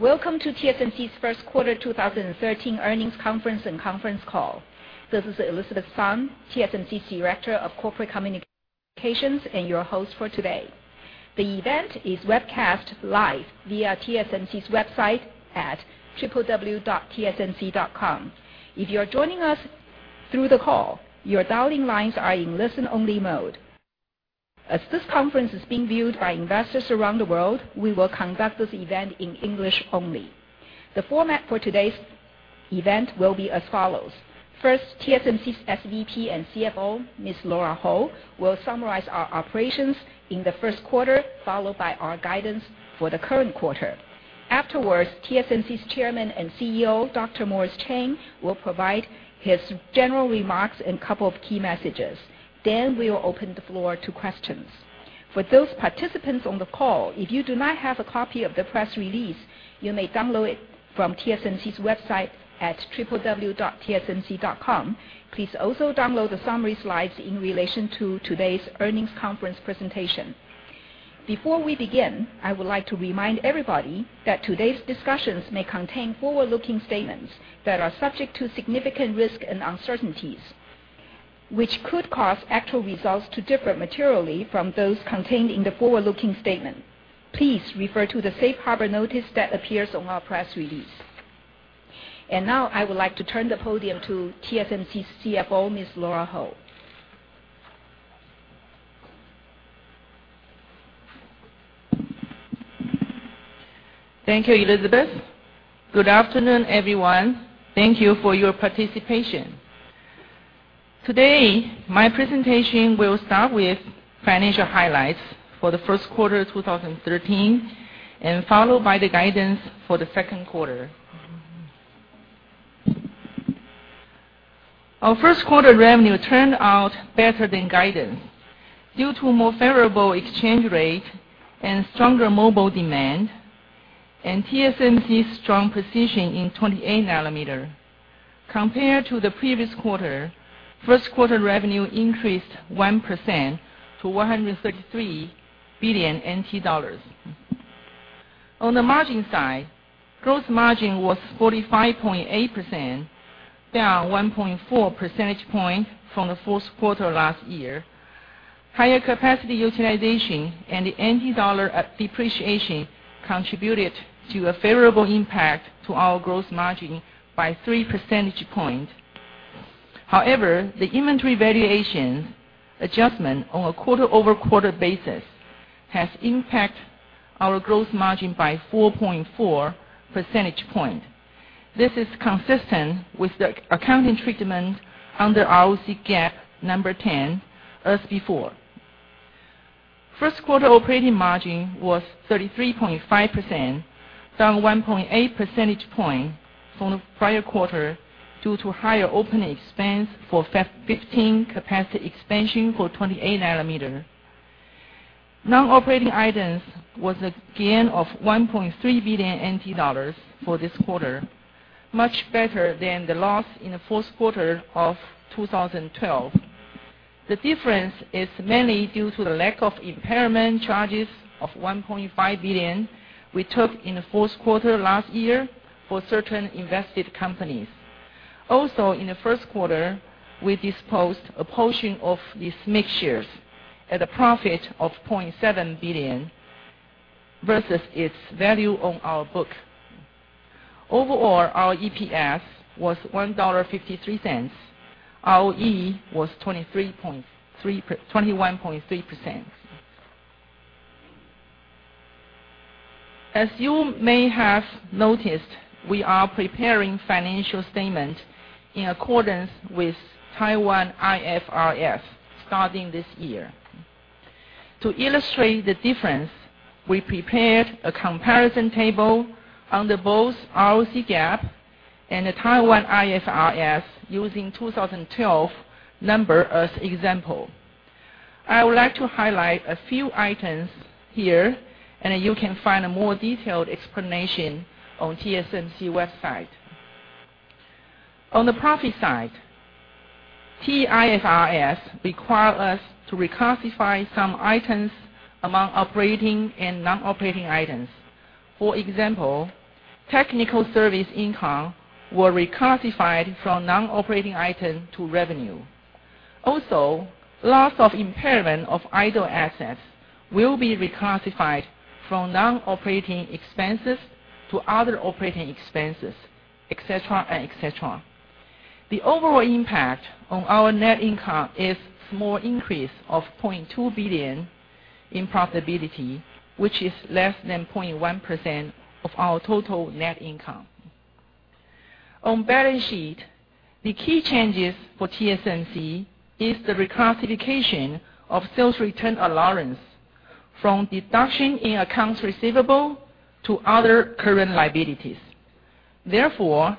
Welcome to TSMC's first quarter 2013 earnings conference and conference call. This is Elizabeth Sun, TSMC's Director of Corporate Communications, and your host for today. The event is webcast live via tsmc.com. If you are joining us through the call, your dialing lines are in listen-only mode. As this conference is being viewed by investors around the world, we will conduct this event in English only. The format for today's event will be as follows. First, TSMC's SVP and CFO, Ms. Lora Ho, will summarize our operations in the first quarter, followed by our guidance for the current quarter. Afterwards, TSMC's Chairman and CEO, Dr. Morris Chang, will provide his general remarks and couple of key messages. We will open the floor to questions. For those participants on the call, if you do not have a copy of the press release, you may download it from tsmc.com. Please also download the summary slides in relation to today's earnings conference presentation. Before we begin, I would like to remind everybody that today's discussions may contain forward-looking statements that are subject to significant risk and uncertainties, which could cause actual results to differ materially from those contained in the forward-looking statement. Please refer to the safe harbor notice that appears on our press release. Now I would like to turn the podium to TSMC CFO, Ms. Lora Ho. Thank you, Elizabeth. Good afternoon, everyone. Thank you for your participation. Today, my presentation will start with financial highlights for the first quarter 2013, followed by the guidance for the second quarter. Our first quarter revenue turned out better than guidance due to more favorable exchange rate and stronger mobile demand, and TSMC's strong position in 28 nm. Compared to the previous quarter, first quarter revenue increased 1% to 133 billion NT dollars. On the margin side, gross margin was 45.8%, down 1.4 percentage point from the fourth quarter last year. Higher capacity utilization and the TWD depreciation contributed to a favorable impact to our gross margin by 3 percentage point. However, the inventory valuation adjustment on a quarter-over-quarter basis has impact our gross margin by 4.4 percentage point. This is consistent with the accounting treatment under ROC GAAP number 10 as before. First quarter operating margin was 33.5%, down 1.8 percentage point from the prior quarter due to higher opening expense for Fab 15 capacity expansion for 28 nm. Non-operating items was a gain of 1.3 billion NT dollars for this quarter, much better than the loss in the fourth quarter of 2012. The difference is mainly due to the lack of impairment charges of 1.5 billion we took in the fourth quarter last year for certain invested companies. Also, in the first quarter, we disposed a portion of these SMIC shares at a profit of 0.7 billion versus its value on our book. Overall, our EPS was 1.53 dollar. ROE was 21.3%. As you may have noticed, we are preparing financial statements in accordance with Taiwan IFRS starting this year. To illustrate the difference, we prepared a comparison table under both ROC GAAP and the Taiwan IFRS using 2012 number as example. I would like to highlight a few items here, and you can find a more detailed explanation on TSMC website. On the profit side, Taiwan IFRS require us to reclassify some items among operating and non-operating items. For example, technical service income were reclassified from non-operating item to revenue. Loss of impairment of idle assets will be reclassified from non-operating expenses to other operating expenses, et cetera. The overall impact on our net income is small increase of 0.2 billion in profitability, which is less than 0.1% of our total net income. On balance sheet, the key changes for TSMC is the reclassification of sales return allowance from deduction in accounts receivable to other current liabilities. Therefore,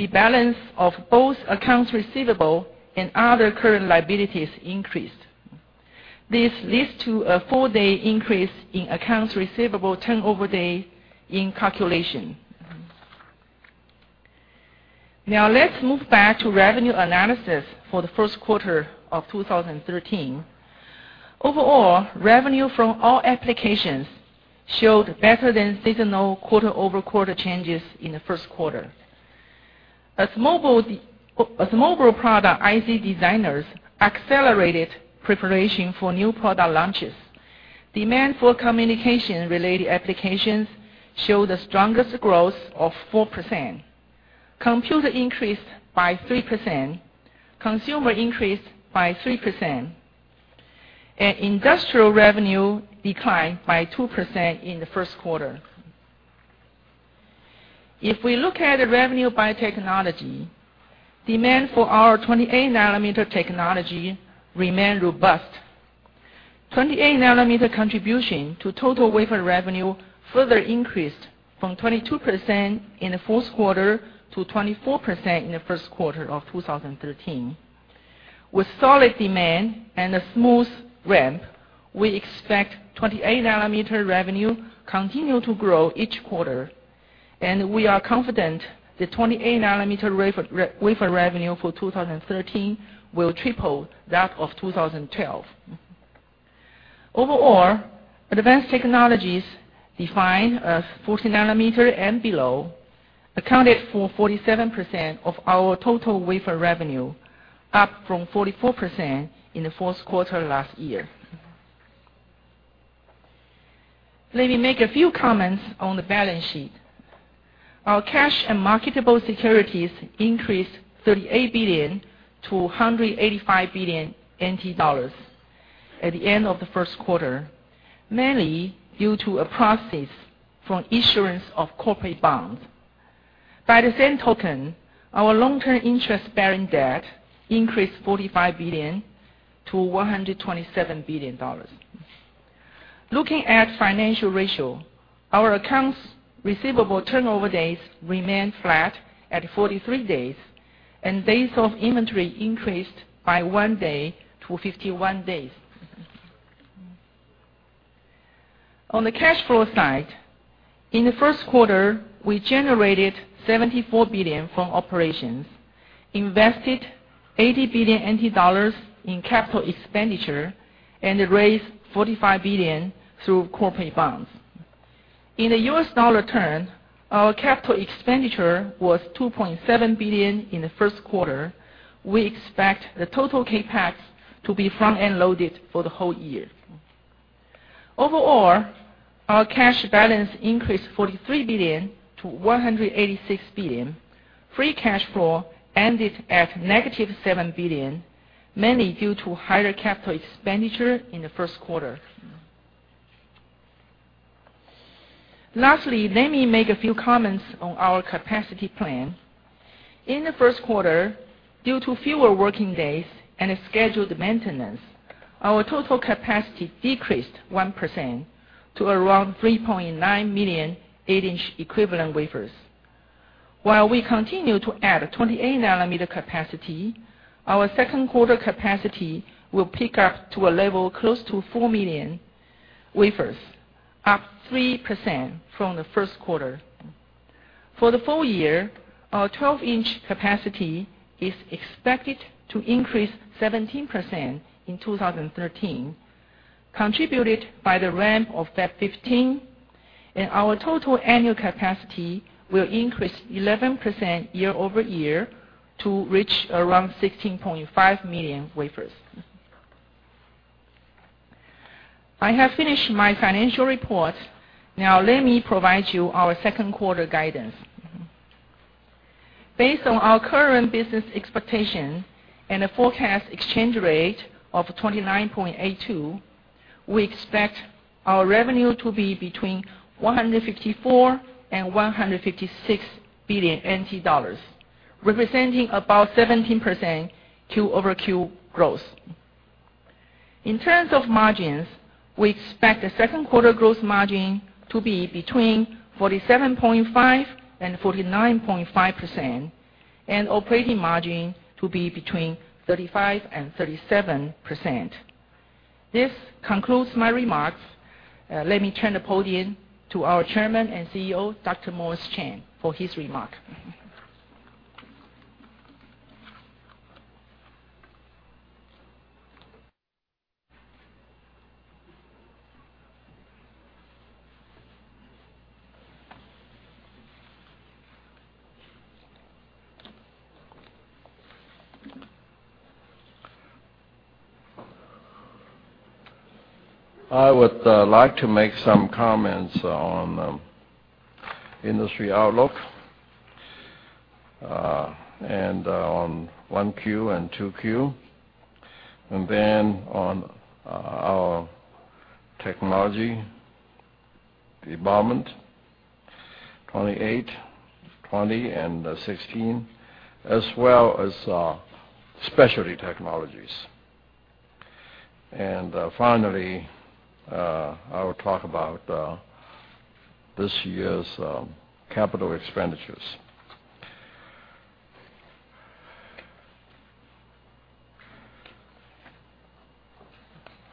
the balance of both accounts receivable and other current liabilities increased. This leads to a four-day increase in accounts receivable turnover day in calculation. Let's move back to revenue analysis for the first quarter of 2013. Overall, revenue from all applications showed better than seasonal quarter-over-quarter changes in the first quarter. As mobile product IC designers accelerated preparation for new product launches, demand for communication-related applications showed the strongest growth of 4%. Computer increased by 3%, consumer increased by 3%, and industrial revenue declined by 2% in the first quarter. If we look at the revenue by technology, demand for our 28 nm technology remained robust. 28 nm contribution to total wafer revenue further increased from 22% in the fourth quarter to 24% in the first quarter of 2013. With solid demand and a smooth ramp, we expect 28 nm revenue continue to grow each quarter, and we are confident that 28 nm wafer revenue for 2013 will triple that of 2012. Overall, advanced technologies defined as 40 nm and below accounted for 47% of our total wafer revenue, up from 44% in the fourth quarter last year. Let me make a few comments on the balance sheet. Our cash and marketable securities increased 38 billion to 185 billion NT dollars at the end of the first quarter, mainly due to proceeds from issuance of corporate bonds. By the same token, our long-term interest-bearing debt increased 45 billion to 127 billion dollars. Looking at financial ratio, our accounts receivable turnover days remained flat at 43 days, and days of inventory increased by one day to 51 days. On the cash flow side, in the first quarter, we generated 74 billion from operations, invested 80 billion NT dollars in capital expenditure, and raised 45 billion through corporate bonds. In the US dollar term, our capital expenditure was $2.7 billion in the first quarter. We expect the total CapEx to be front-end loaded for the whole year. Overall, our cash balance increased 43 billion to 186 billion. Free cash flow ended at TWD negative 7 billion, mainly due to higher capital expenditure in the first quarter. Lastly, let me make a few comments on our capacity plan. In the first quarter, due to fewer working days and a scheduled maintenance, our total capacity decreased 1% to around 3.9 million 8-inch equivalent wafers. While we continue to add 28 nm capacity, our second quarter capacity will pick up to a level close to 4 million wafers, up 3% from the first quarter. For the full year, our 12-inch capacity is expected to increase 17% in 2013, contributed by the ramp of Fab 15, and our total annual capacity will increase 11% year-over-year to reach around 16.5 million wafers. I have finished my financial report. Let me provide you our second quarter guidance. Based on our current business expectation and a forecast exchange rate of 29.82, we expect our revenue to be between 154 billion and 156 billion NT dollars, representing about 17% quarter-over-quarter growth. In terms of margins, we expect the second quarter growth margin to be between 47.5%-49.5%, and operating margin to be between 35%-37%. This concludes my remarks. Let me turn the podium to our Chairman and CEO, Dr. Morris Chang, for his remark. I would like to make some comments on industry outlook, on 1Q and 2Q, then on our technology involvement, 28, 20, and 16, as well as our specialty technologies. Finally, I will talk about this year's CapEx.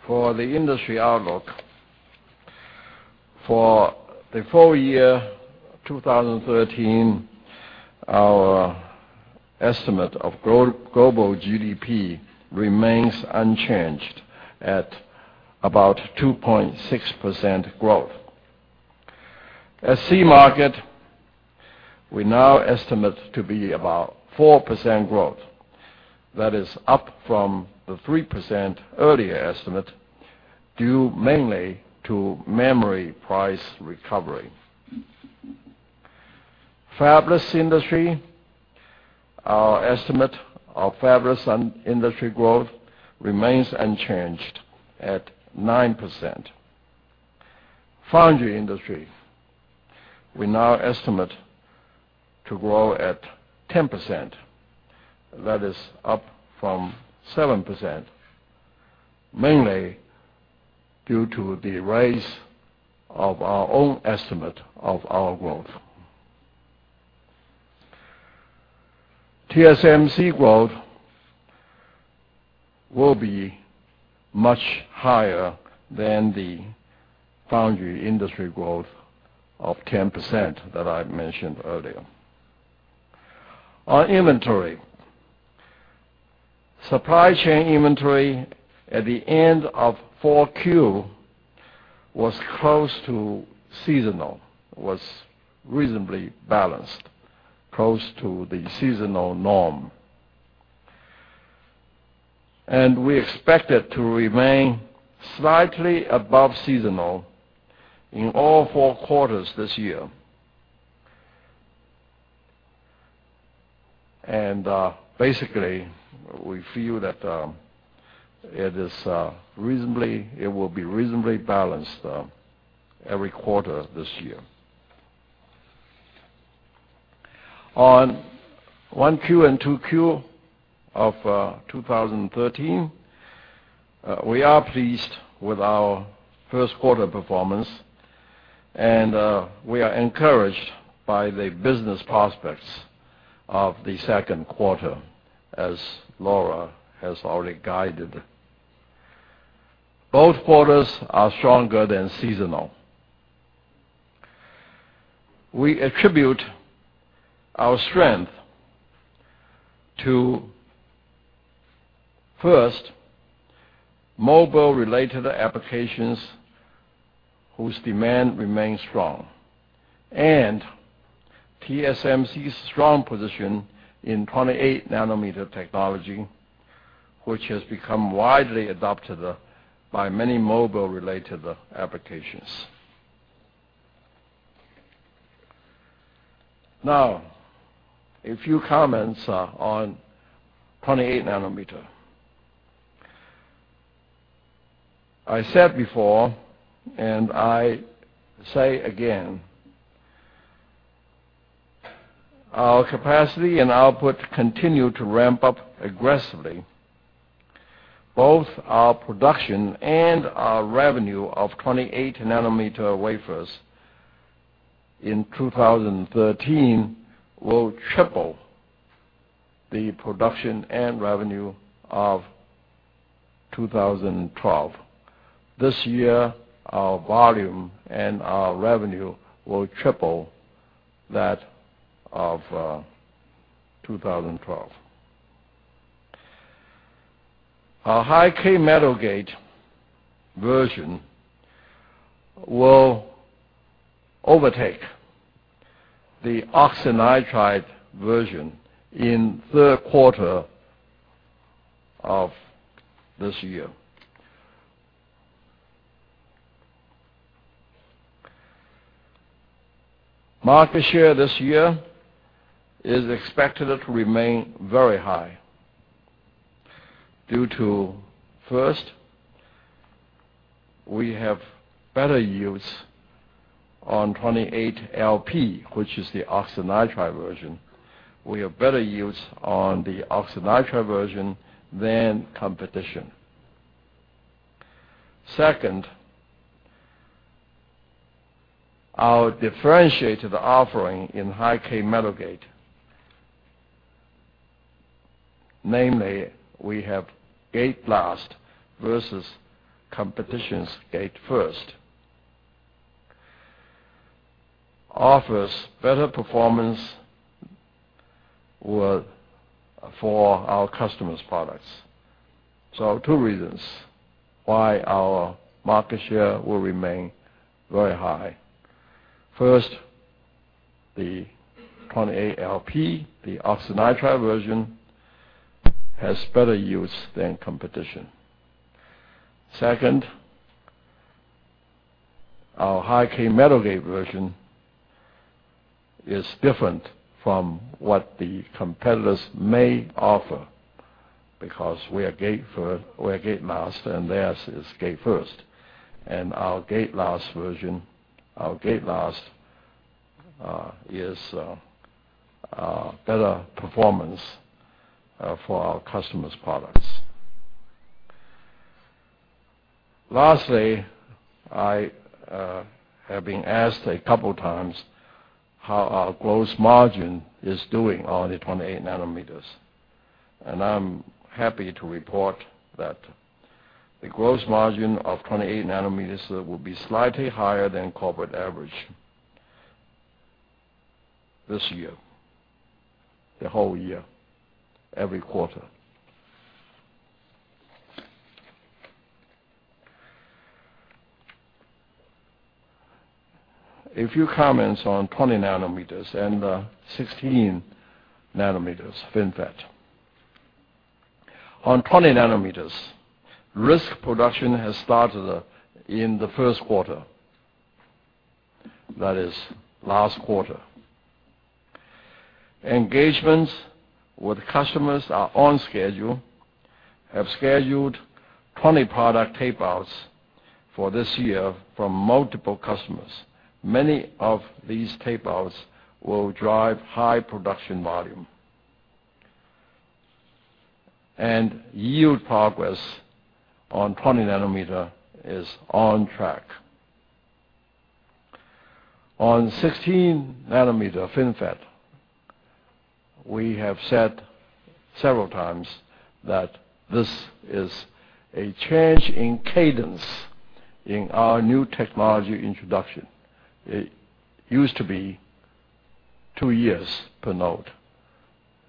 For the industry outlook, for the full year 2013, our estimate of global GDP remains unchanged at about 2.6% growth. Semiconductor market, we now estimate to be about 4% growth. That is up from the 3% earlier estimate, due mainly to memory price recovery. Fabless industry, our estimate of fabless industry growth remains unchanged at 9%. Foundry industry, we now estimate to grow at 10%. That is up from 7%, mainly due to the rise of our own estimate of our growth. TSMC growth will be much higher than the foundry industry growth of 10% that I mentioned earlier. On inventory, supply chain inventory at the end of 4Q was close to seasonal, was reasonably balanced, close to the seasonal norm. We expect it to remain slightly above seasonal in all four quarters this year. Basically, we feel that it will be reasonably balanced every quarter this year. On 1Q and 2Q of 2013, we are pleased with our first quarter performance, and we are encouraged by the business prospects of the second quarter, as Lora has already guided. Both quarters are stronger than seasonal. We attribute our strength to, first, mobile-related applications whose demand remains strong. TSMC's strong position in 28 nm technology, which has become widely adopted by many mobile-related applications. A few comments on 28 nm. I said before, and I say again, our capacity and output continue to ramp up aggressively. Both our production and our revenue of 28 nm wafers in 2013 will triple the production and revenue of 2012. This year, our volume and our revenue will triple that of 2012. Our High-k Metal Gate version will overtake the oxynitride version in third quarter of this year. Market share this year is expected to remain very high, due to, first, we have better yields on 28 LP, which is the oxynitride version. We have better yields on the oxynitride version than competition. Second, our differentiated offering in High-k Metal Gate, namely, we have gate-last versus competition's gate-first, offers better performance for our customers' products. Two reasons why our market share will remain very high. First, the 28 LP, the oxynitride version, has better yields than competition. Second, our High-k Metal Gate version is different from what the competitors may offer because we're gate-last and theirs is gate-first. Our gate-last version is better performance for our customers' products. Lastly, I have been asked a couple times how our gross margin is doing on the 28 nm. I'm happy to report that the gross margin of 28 nm will be slightly higher than corporate average this year, the whole year, every quarter. A few comments on 20 nm and the 16 nm FinFET. On 20 nm, risk production has started in the first quarter, that is last quarter. Engagements with customers are on schedule, have scheduled 20 product tape-outs for this year from multiple customers. Many of these tape-outs will drive high production volume. Yield progress on 20 nm is on track. On 16 nm FinFET, we have said several times that this is a change in cadence in our new technology introduction. It used to be two years per node.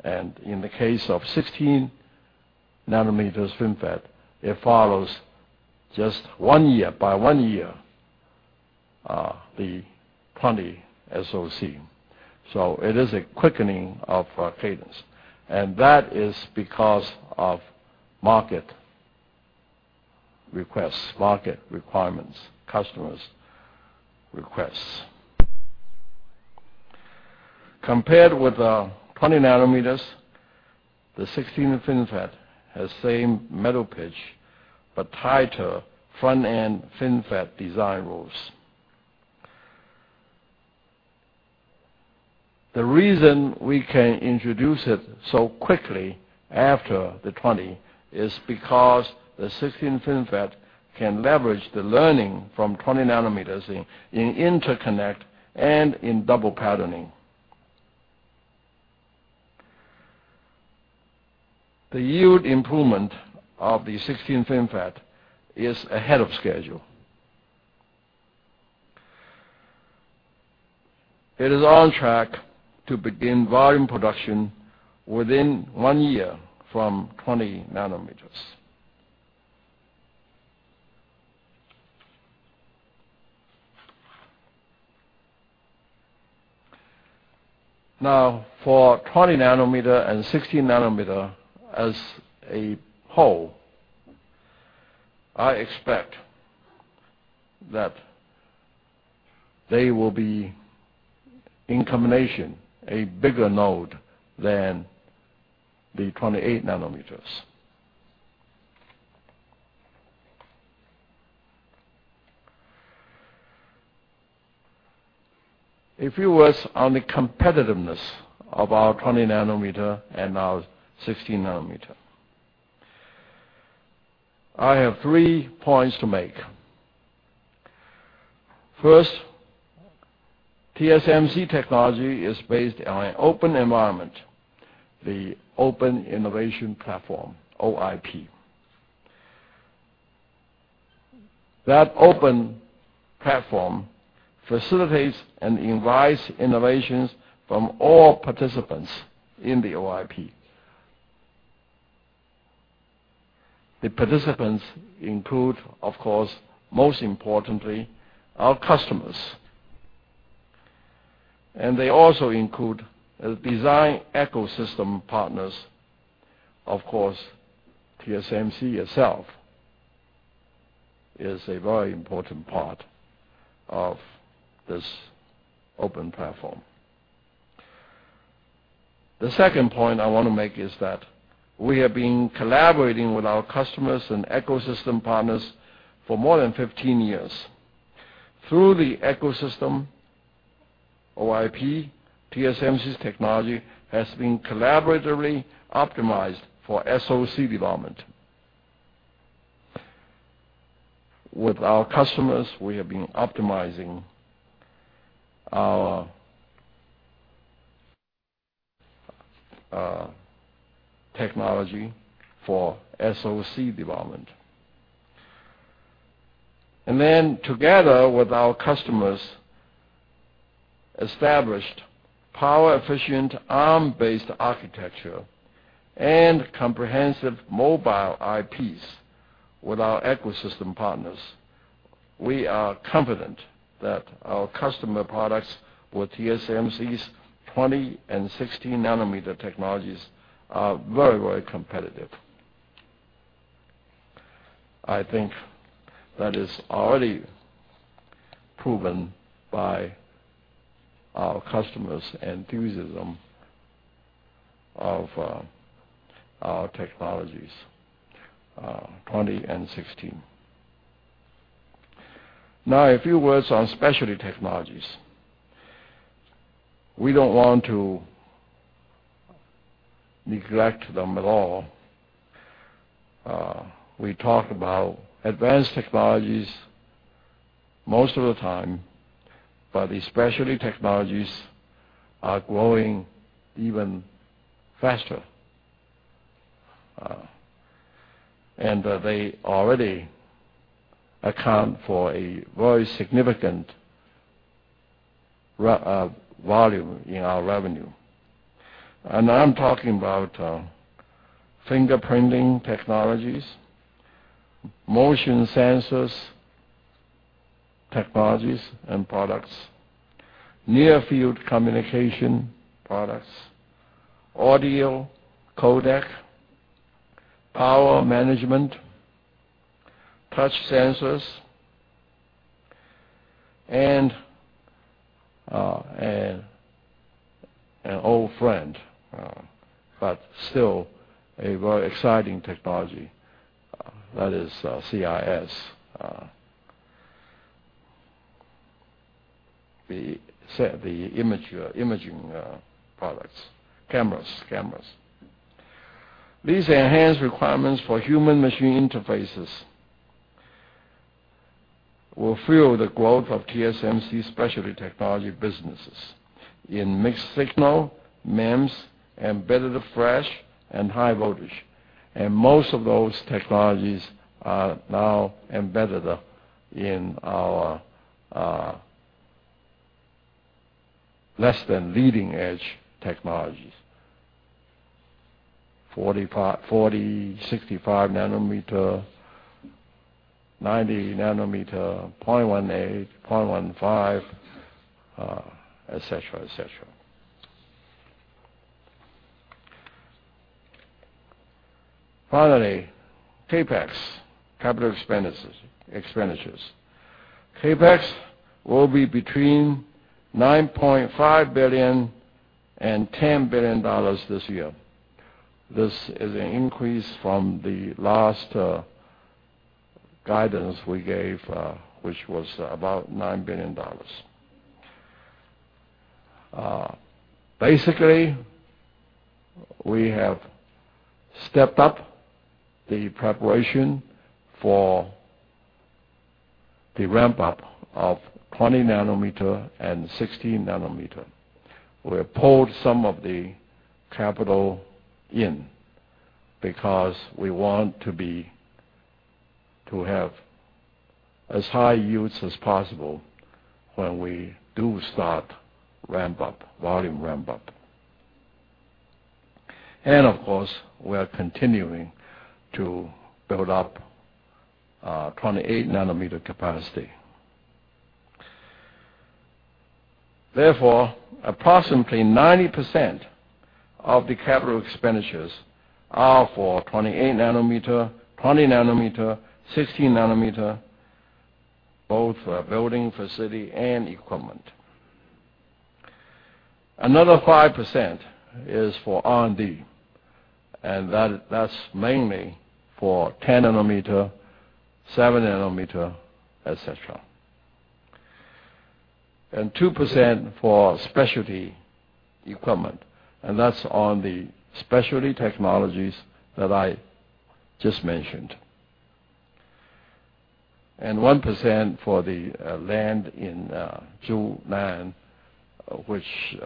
In the case of 16 nm FinFET, it follows just by one year the 20SoC. It is a quickening of our cadence, and that is because of market requests, market requirements, customers' requests. Compared with the 20 nm, the 16 FinFET has same metal pitch, but tighter front-end FinFET design rules. The reason we can introduce it so quickly after the 20 is because the 16 FinFET can leverage the learning from 20 nm in interconnect and in double patterning. The yield improvement of the 16 FinFET is ahead of schedule. It is on track to begin volume production within one year from 20 nm. For 20 nm and 16 nm as a whole, I expect that they will be, in combination, a bigger node than the 28 nm. A few words on the competitiveness of our 20 nm and our 16 nm. I have three points to make. First, TSMC technology is based on an open environment, the Open Innovation Platform, OIP. That open platform facilitates and invites innovations from all participants in the OIP. The participants include, of course, most importantly, our customers. They also include the design ecosystem partners. Of course, TSMC itself is a very important part of this open platform. The second point I want to make is that we have been collaborating with our customers and ecosystem partners for more than 15 years. Through the ecosystem OIP, TSMC's technology has been collaboratively optimized for SoC development. With our customers, we have been optimizing our technology for SoC development. Together with our customers, established power-efficient, ARM-based architecture, and comprehensive mobile IPs with our ecosystem partners. We are confident that our customer products with TSMC's 20 and 16 nm technologies are very, very competitive. I think that is already proven by our customers' enthusiasm of our technologies, 20 and 16. A few words on specialty technologies. We don't want to neglect them at all. We talk about advanced technologies most of the time, but especially technologies are growing even faster. They already account for a very significant volume in our revenue. I'm talking about fingerprint technologies, motion sensors technologies and products, Near-Field Communication products, audio codec, power management, touch sensors, and an old friend, but still a very exciting technology, that is CIS. The imaging products, cameras. These enhanced requirements for human-machine interfaces will fuel the growth of TSMC specialty technology businesses in mixed-signal, MEMS, embedded flash, and high voltage. Most of those technologies are now embedded in our less than leading-edge technologies, 40 nm, 65 nanometer, 90 nanometer, 0.18-micron, 0.15-micron, et cetera. Finally, CapEx, capital expenditures. CapEx will be between 9.5 billion and 10 billion dollars this year. This is an increase from the last guidance we gave, which was about 9 billion dollars. Basically, we have stepped up the preparation for the ramp-up of 20 nanometer and 16 nanometer. We have pulled some of the capital in because we want to have as high yields as possible when we do start volume ramp-up. Of course, we are continuing to build up 28 nanometer capacity. Therefore, approximately 90% of the capital expenditures are for 28 nanometer, 20 nanometer, 16 nanometer, both for building facility and equipment. Another 5% is for R&D, and that is mainly for 10 nanometer, 7 nanometer, et cetera. 2% for specialty equipment, and that is on the specialty technologies that I just mentioned. 1% for the land in Zhunan, which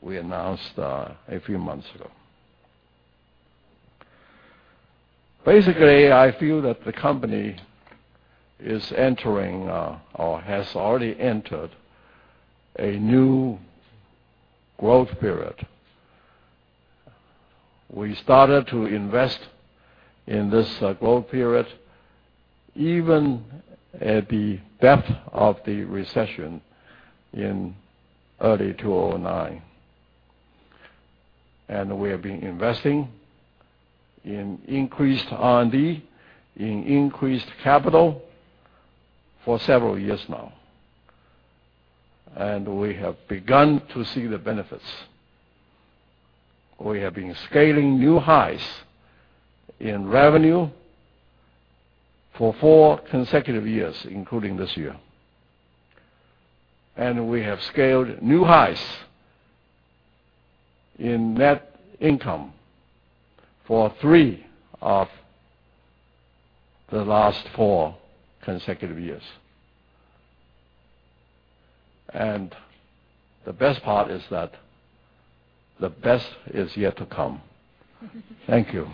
we announced a few months ago. Basically, I feel that the company is entering or has already entered a new growth period. We started to invest in this growth period even at the depth of the recession in early 2009. We have been investing in increased R&D, in increased capital for several years now. We have begun to see the benefits. We have been scaling new highs in revenue for four consecutive years, including this year. We have scaled new highs in net income for three of the last four consecutive years. The best part is that the best is yet to come. Thank you.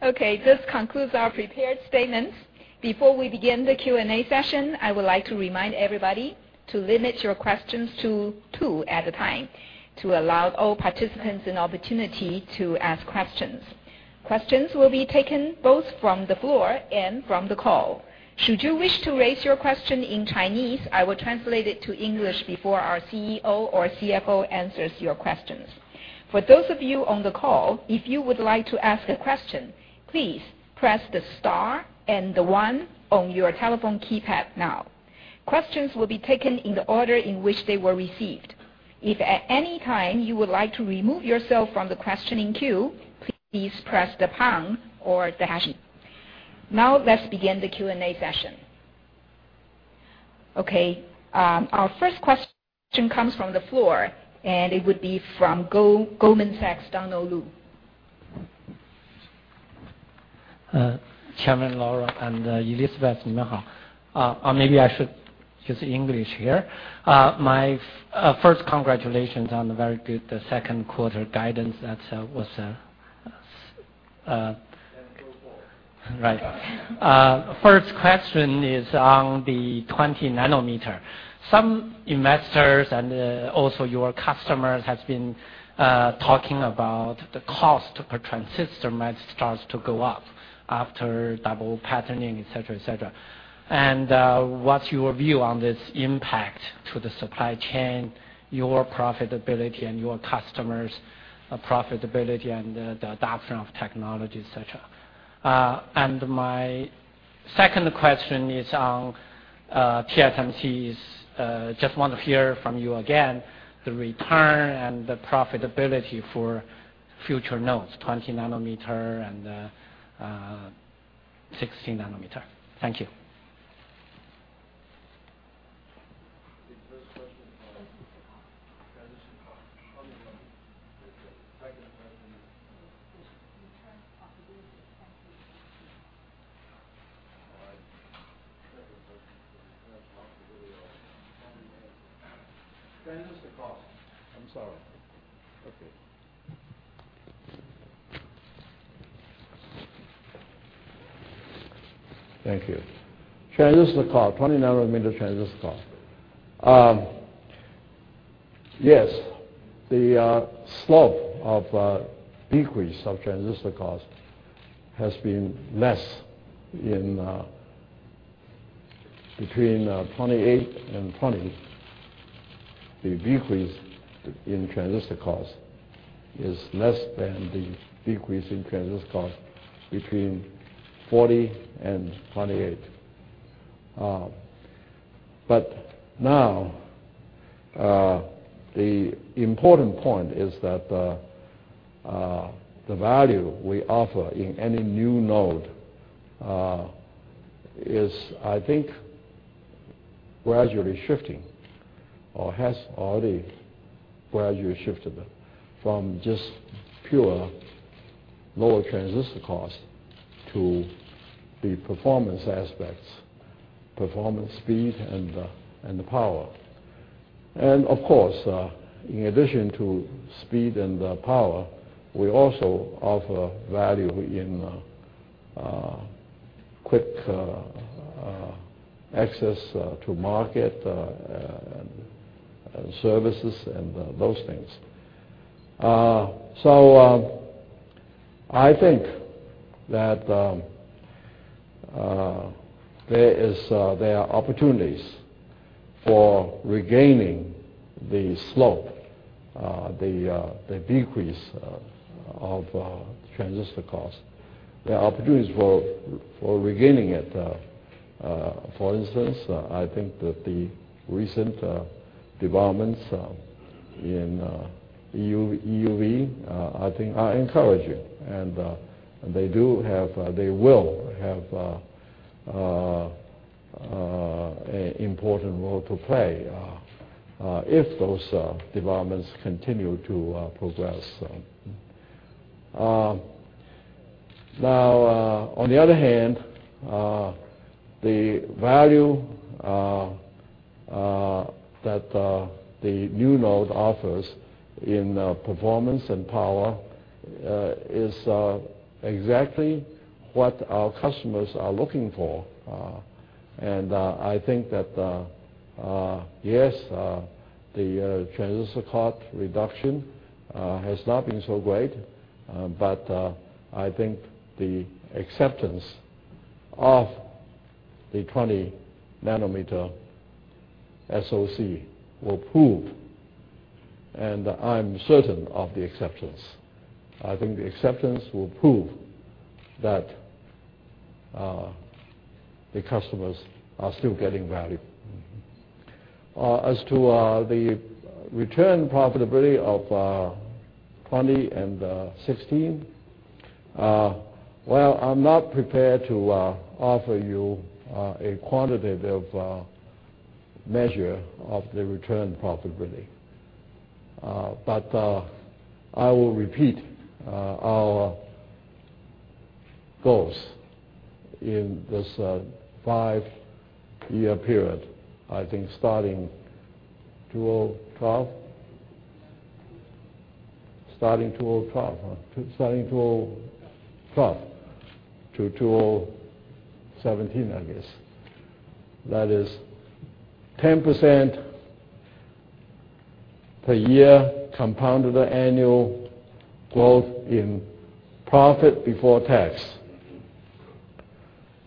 This concludes our prepared statements. Before we begin the Q&A session, I would like to remind everybody to limit your questions to two at a time to allow all participants an opportunity to ask questions. Questions will be taken both from the floor and from the call. Should you wish to raise your question in Chinese, I will translate it to English before our CEO or CFO answers your questions. For those of you on the call, if you would like to ask a question, please press the star and the one on your telephone keypad now. Questions will be taken in the order in which they were received. If at any time you would like to remove yourself from the questioning queue, please press the pound or the hash key. Now, let us begin the Q&A session. Our first question comes from the floor. It would be from Goldman Sachs, Donald Lu. Chairman Lora and Elizabeth, or maybe I should use English here. Congratulations on the very good second quarter guidance. Go forward. Right. First question is on the 20 nm. Some investors, and also your customers, have been talking about the cost per transistor might start to go up after double patterning, et cetera. What's your view on this impact to the supply chain, your profitability, and your customers' profitability and the adoption of technology, et cetera? My second question is, just want to hear from you again the return and the profitability for future nodes, 20 nm and 16 nanometer. Thank you. The first question. Transistor cost. Transistor cost. The second question is? Is return profitability of All right. Second question, return profitability. Transistor cost. I'm sorry. Okay. Thank you. Transistor cost, 20 nm transistor cost. Yes, the slope of decrease of transistor cost has been less between 28 and 20. The decrease in transistor cost is less than the decrease in transistor cost between 40 and 28. Now, the important point is that the value we offer in any new node is, I think, gradually shifting or has already gradually shifted from just pure lower transistor cost to the performance aspects, performance speed, and power. Of course, in addition to speed and power, we also offer value in quick access to market and services and those things. I think that there are opportunities for regaining the slope, the decrease of transistor cost. There are opportunities for regaining it. For instance, I think that the recent developments in EUV, I think are encouraging. They will have an important role to play, if those developments continue to progress. On the other hand, the value that the new node offers in performance and power is exactly what our customers are looking for. I think that, yes, the transistor cost reduction has not been so great, but I think the acceptance of the 20 nm SoC will prove, and I'm certain of the acceptance. I think the acceptance will prove that the customers are still getting value. As to the return profitability of 20 and 16, well, I'm not prepared to offer you a quantitative measure of the return profitability. I will repeat our goals in this five-year period, I think starting 2012 to 2017, I guess. That is 10% per year compounded annual growth in profit before tax,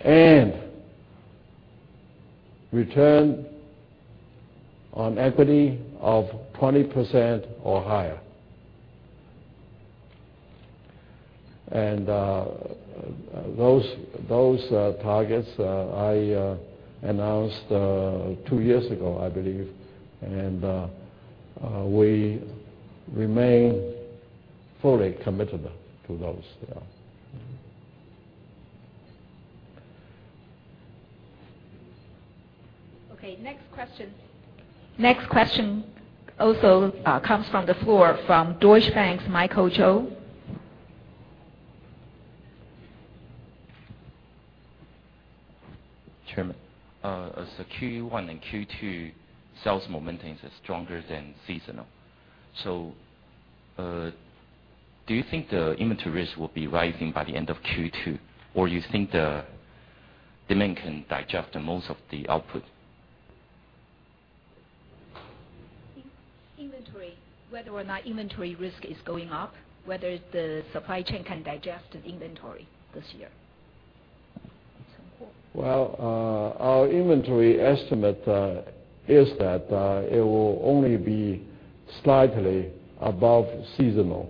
and return on equity of 20% or higher. Those targets I announced two years ago, I believe, and we remain fully committed to those. Next question also comes from the floor from Deutsche Bank's Michael Zhou. Chairman. Q1 and Q2 sales momentum is stronger than seasonal. Do you think the inventory risk will be rising by the end of Q2, or you think the demand can digest most of the output? Inventory, whether or not inventory risk is going up, whether the supply chain can digest inventory this year. Our inventory estimate is that it will only be slightly above seasonal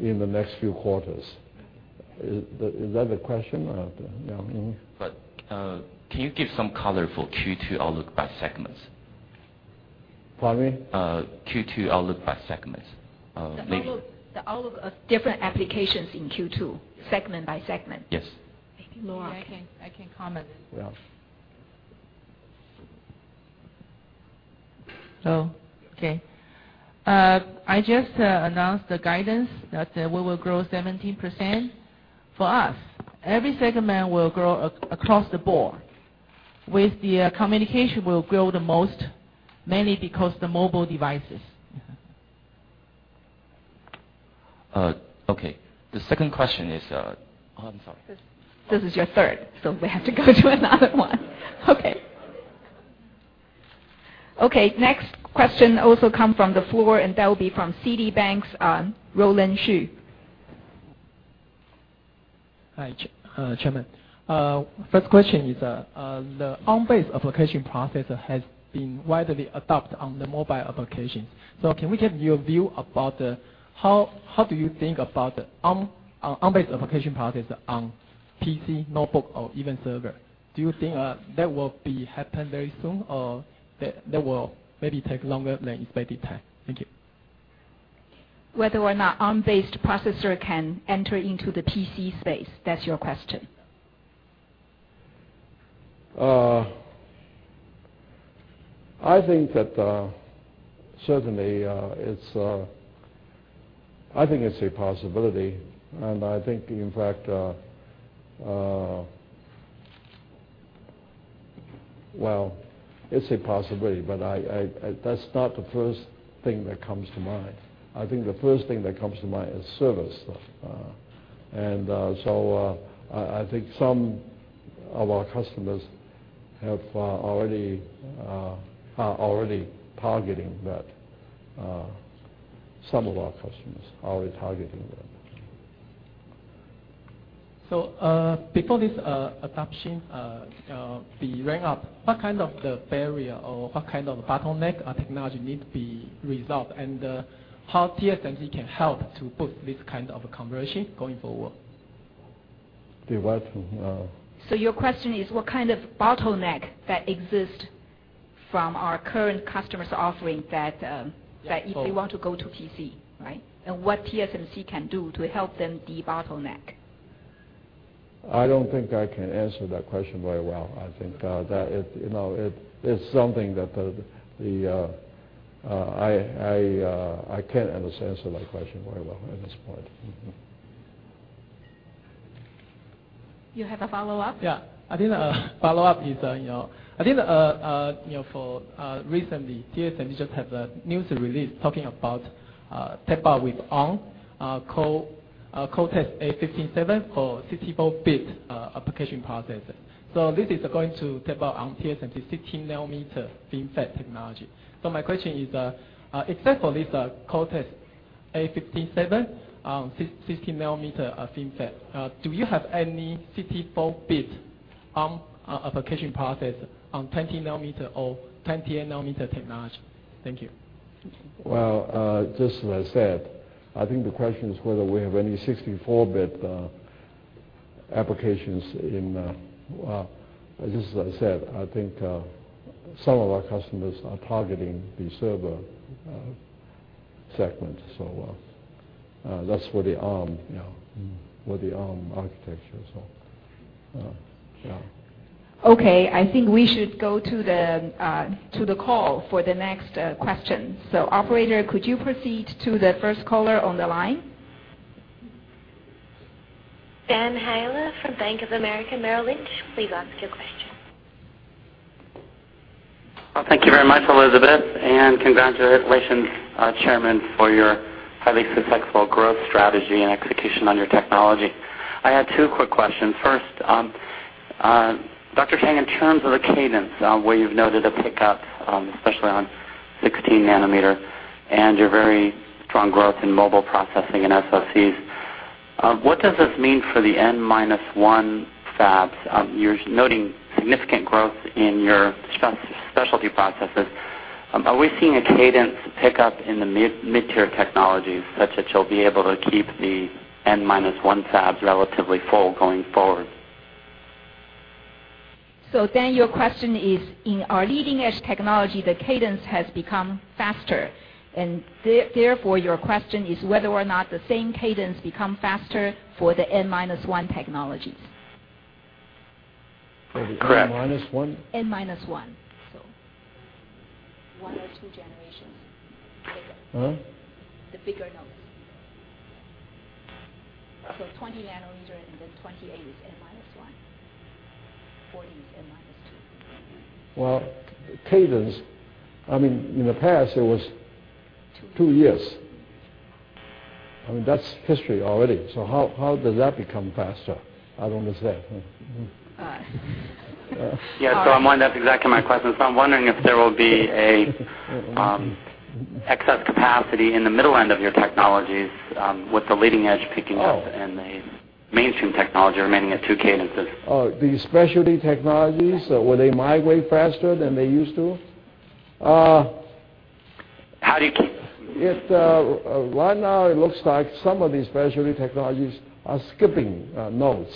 in the next few quarters. Is that the question? Yeah, mm-hmm. Can you give some color for Q2 outlook by segments? Pardon me? Q2 outlook by segments. The outlook of different applications in Q2, segment by segment. Yes. Lora. Maybe I can comment. Yeah. Okay. I just announced the guidance that we will grow 17%. For us, every segment will grow across the board. With the communication will grow the most, mainly because the mobile devices. Okay. The second question is Oh, I'm sorry. This is your third, so we have to go to another one. Okay. Next question also come from the floor, and that will be from Citibank, Roland Shu. Hi, Chairman. First question is, the ARM-based application processor has been widely adopted on the mobile applications. Can we get your view about how do you think about the ARM-based application processors on PC, notebook, or even server? Do you think that will be happen very soon, or that will maybe take longer than expected time? Thank you. Whether or not ARM-based processor can enter into the PC space. That's your question. I think it's a possibility. I think, in fact Well, it's a possibility, that's not the first thing that comes to mind. I think the first thing that comes to mind is server stuff. I think some of our customers are already targeting that. Some of our customers are already targeting that. Before this adoption be ramped up, what kind of the barrier or what kind of bottleneck or technology need to be resolved, and how TSMC can help to boost this kind of conversion going forward? The what? Your question is what kind of bottleneck that exists from our current customers offering. Yeah. if they want to go to PC, right? What TSMC can do to help them debottleneck. I don't think I can answer that question very well. I think that it's something that I can't answer that question very well at this point. You have a follow-up? Yeah. I think follow-up is, I think for recently, TSMC just have a news release talking about tape-out with ARM, Cortex-A57 for 64-bit application processor. This is going to tape out on TSMC's 16-nanometer FinFET technology. My question is, except for this Cortex-A57, 16-nanometer FinFET, do you have any 64-bit ARM application processor on 20 nm or 28 nm technology? Thank you. Well, just as I said, I think some of our customers are targeting the server segment. That's for the ARM architecture. Yeah. Okay, I think we should go to the call for the next question. Operator, could you proceed to the first caller on the line? Daniel Heyler from Bank of America Merrill Lynch, please ask your question. Well, thank you very much, Elizabeth. Congratulations, Chairman, for your highly successful growth strategy and execution on your technology. I had two quick questions. First, Dr. Chang, in terms of the cadence where you've noted a pickup, especially on 16 nanometer, and your very strong growth in mobile processing and SoCs, what does this mean for the N minus one fabs? You're noting significant growth in your specialty processes. Are we seeing a cadence pickup in the mid-tier technologies such that you'll be able to keep the N minus one fabs relatively full going forward? Your question is, in our leading-edge technology, the cadence has become faster, and therefore your question is whether or not the same cadence become faster for the N minus one technologies. For the N minus one? Correct. N minus one. One or two generations bigger. Huh? The bigger nodes. 20 nm and then 28 is N minus one. 40 is N minus two. Cadence, in the past it was two years. That's history already. How does that become faster? I don't understand. All right. That's exactly my question. I'm wondering if there will be excess capacity in the middle end of your technologies, with the leading edge picking up and the mainstream technology remaining at two cadences. Oh, the specialty technologies, will they migrate faster than they used to? How do you- Right now it looks like some of the specialty technologies are skipping nodes.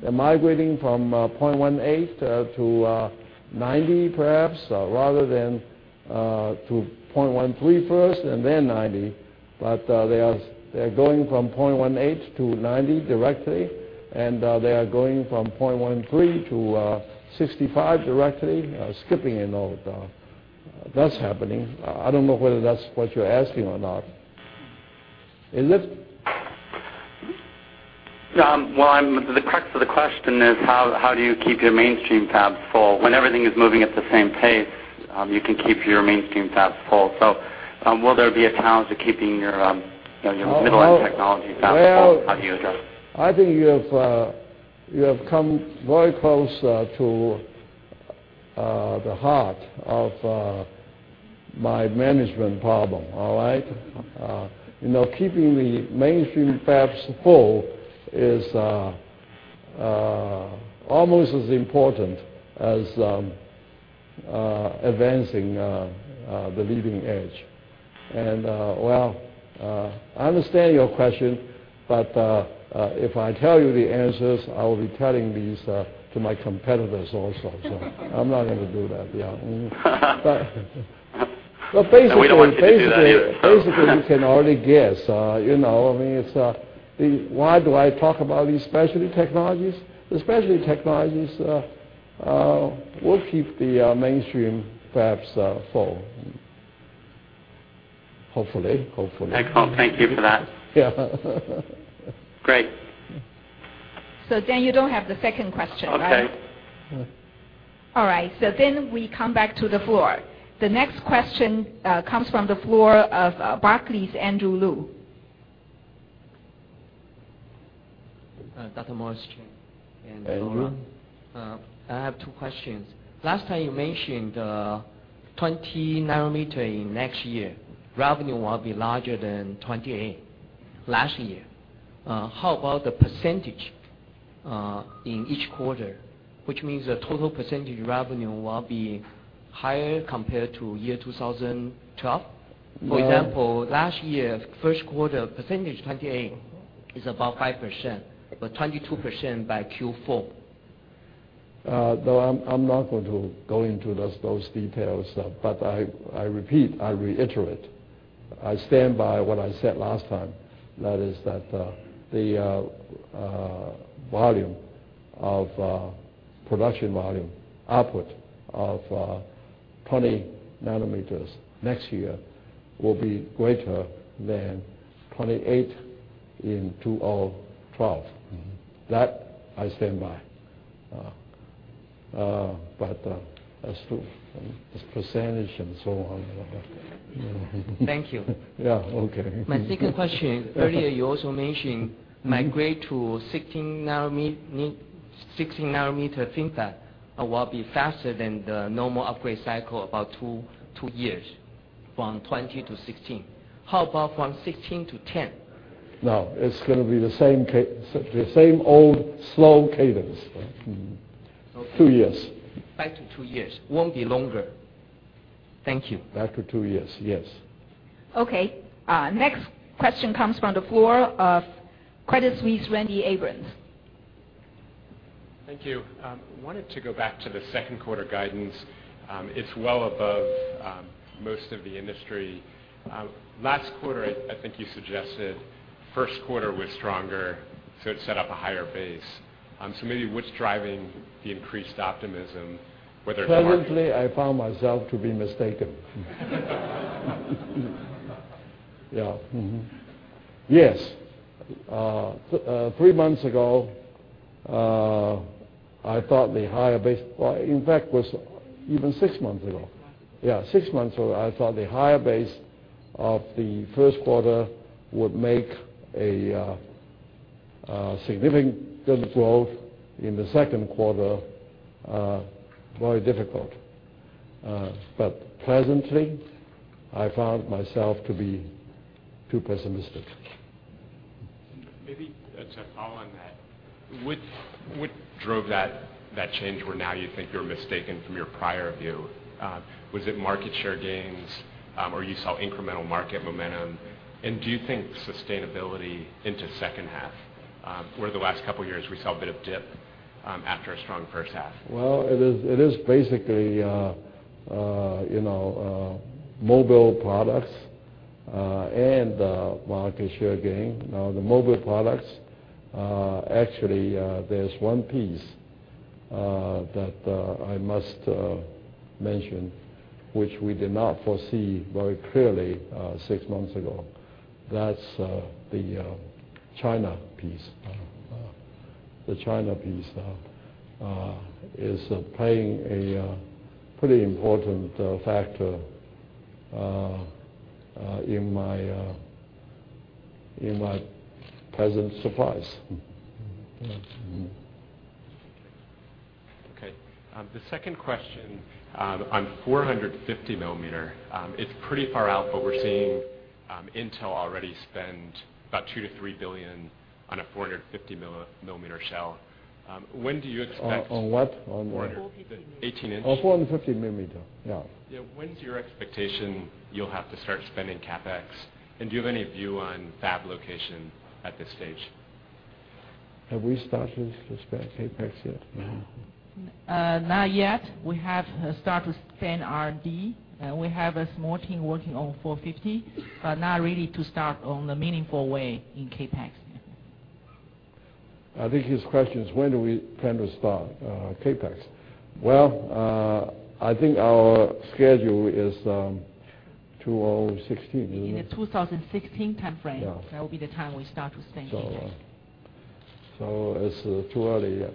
They're migrating from 0.18-micron to 90 perhaps, rather than to 0.13-micron first and then 90. They're going from 0.18-micron to 90 directly, and they are going from 0.13-micron to 65 directly, skipping a node. That's happening. I don't know whether that's what you're asking or not. Is it? Well, the crux of the question is how do you keep your mainstream fabs full? When everything is moving at the same pace, you can keep your mainstream fabs full. Will there be a challenge to keeping your middle-end technology fabs full? How do you address that? I think you have come very close to the heart of my management problem, all right? Keeping the mainstream fabs full is almost as important as advancing the leading edge. Well, I understand your question, if I tell you the answers, I will be telling these to my competitors also, I'm not going to do that. Yeah. We don't want you to do that either. Basically, you can already guess. Why do I talk about these specialty technologies? The specialty technologies will keep the mainstream fabs full. Hopefully. Okay. Thank you for that. Yeah. Great. You don't have the second question, right? Okay. All right, we come back to the floor. The next question comes from the floor of Barclays, Andrew Lu. Dr. Morris Chang and Lora. Andrew. I have 2 questions. Last time you mentioned 20 nm in next year, revenue will be larger than 28 nm, last year. How about the % in each quarter, which means the total % revenue will be higher compared to 2012? For example, last year, first quarter percentage 28 nm is about 5%, but 22% by Q4. I'm not going to go into those details, but I repeat, I reiterate, I stand by what I said last time. That is that the production volume output of 20 nanometers next year will be greater than 28 in 2012. That I stand by. As to this percentage and so on Thank you. Yeah. Okay. My second question, earlier you also mentioned migrate to 16-nanometer FinFET will be faster than the normal upgrade cycle, about two years, from 20 to 16. How about from 16 to 10? No. It's going to be the same old slow cadence. Two years. Back to two years. Won't be longer. Thank you. Back to two years. Yes. Okay. Next question comes from the floor of Credit Suisse, Randy Abrams. Thank you. I wanted to go back to the second quarter guidance. It is well above most of the industry. Last quarter, I think you suggested first quarter was stronger, so it set up a higher base. Maybe what is driving the increased optimism, whether it is market- Pleasantly, I found myself to be mistaken. Yes. Three months ago, I thought the higher base. In fact, it was even six months ago. Six months ago, I thought the higher base of the first quarter would make a significant growth in the second quarter very difficult. Pleasantly, I found myself to be too pessimistic. Maybe just to follow on that, what drove that change where now you think you are mistaken from your prior view? Was it market share gains, or you saw incremental market momentum? Do you think sustainability into second half, where the last couple of years we saw a bit of dip after a strong first half? Well, it is basically mobile products and market share gain. The mobile products, actually, there is one piece that I must mention, which we did not foresee very clearly six months ago. That is the China piece. The China piece is playing a pretty important factor in my present surprise. Yes. Okay. The second question on 450 millimeter. It is pretty far out, but we are seeing Intel already spend about 2 billion-3 billion on a 450 millimeter shell. When do you expect- On what? 18 inch. Oh, 450 millimeter. Yeah. Yeah. When is your expectation you'll have to start spending CapEx? Do you have any view on fab location at this stage? Have we started to spend CapEx yet? No. Not yet. We have started to spend R&D. We have a small team working on 450, but not ready to start on the meaningful way in CapEx yet. I think his question is, when do we plan to start CapEx? Well, I think our schedule is 2016. In the 2016 time frame. Yeah. That will be the time we start to spend CapEx. It's too early yet.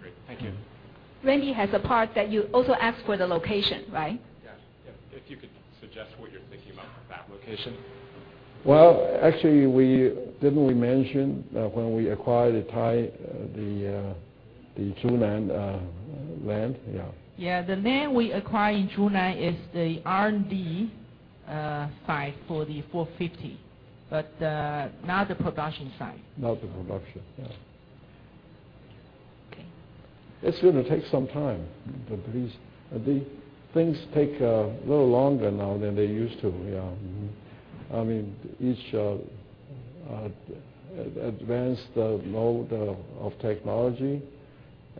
Great. Thank you. Randy has a part that you also asked for the location, right? Yeah. If you could suggest what you're thinking about for fab location. Well, actually, didn't we mention when we acquired the Zhunan land? Yeah. Yeah, the land we acquired in Zhunan is the R&D site for the 450, but not the production site. Not the production. Yeah. Okay. It's going to take some time. Things take a little longer now than they used to. Yeah. Each advanced node of technology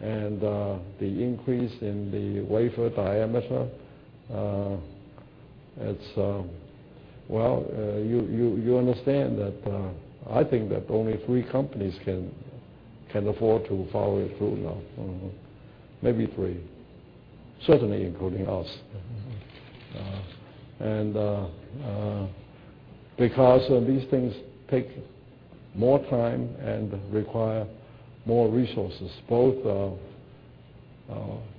and the increase in the wafer diameter, you understand that I think that only three companies can afford to follow it through now. Maybe three, certainly including us. Because these things take more time and require more resources, both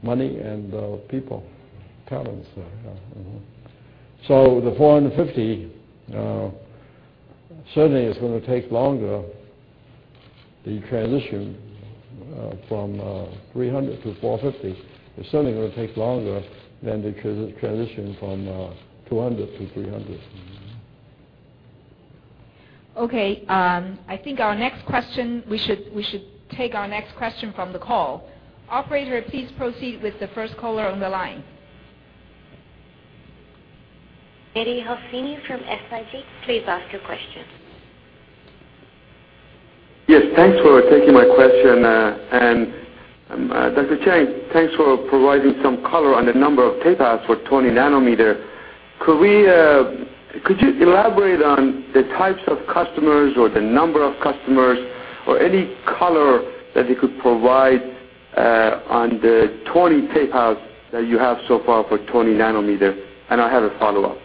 money and people, talents. The 450 certainly is going to take longer, the transition from 300 to 450 is certainly going to take longer than the transition from 200 to 300. Okay. I think we should take our next question from the call. Operator, please proceed with the first caller on the line. Eddie Hafni from SIP. Please ask your question. Yes, thanks for taking my question. Dr. Chang, thanks for providing some color on the number of tape outs for 20 nanometer. Could you elaborate on the types of customers, or the number of customers, or any color that you could provide on the 20 tape outs that you have so far for 20 nanometer? I have a follow-up.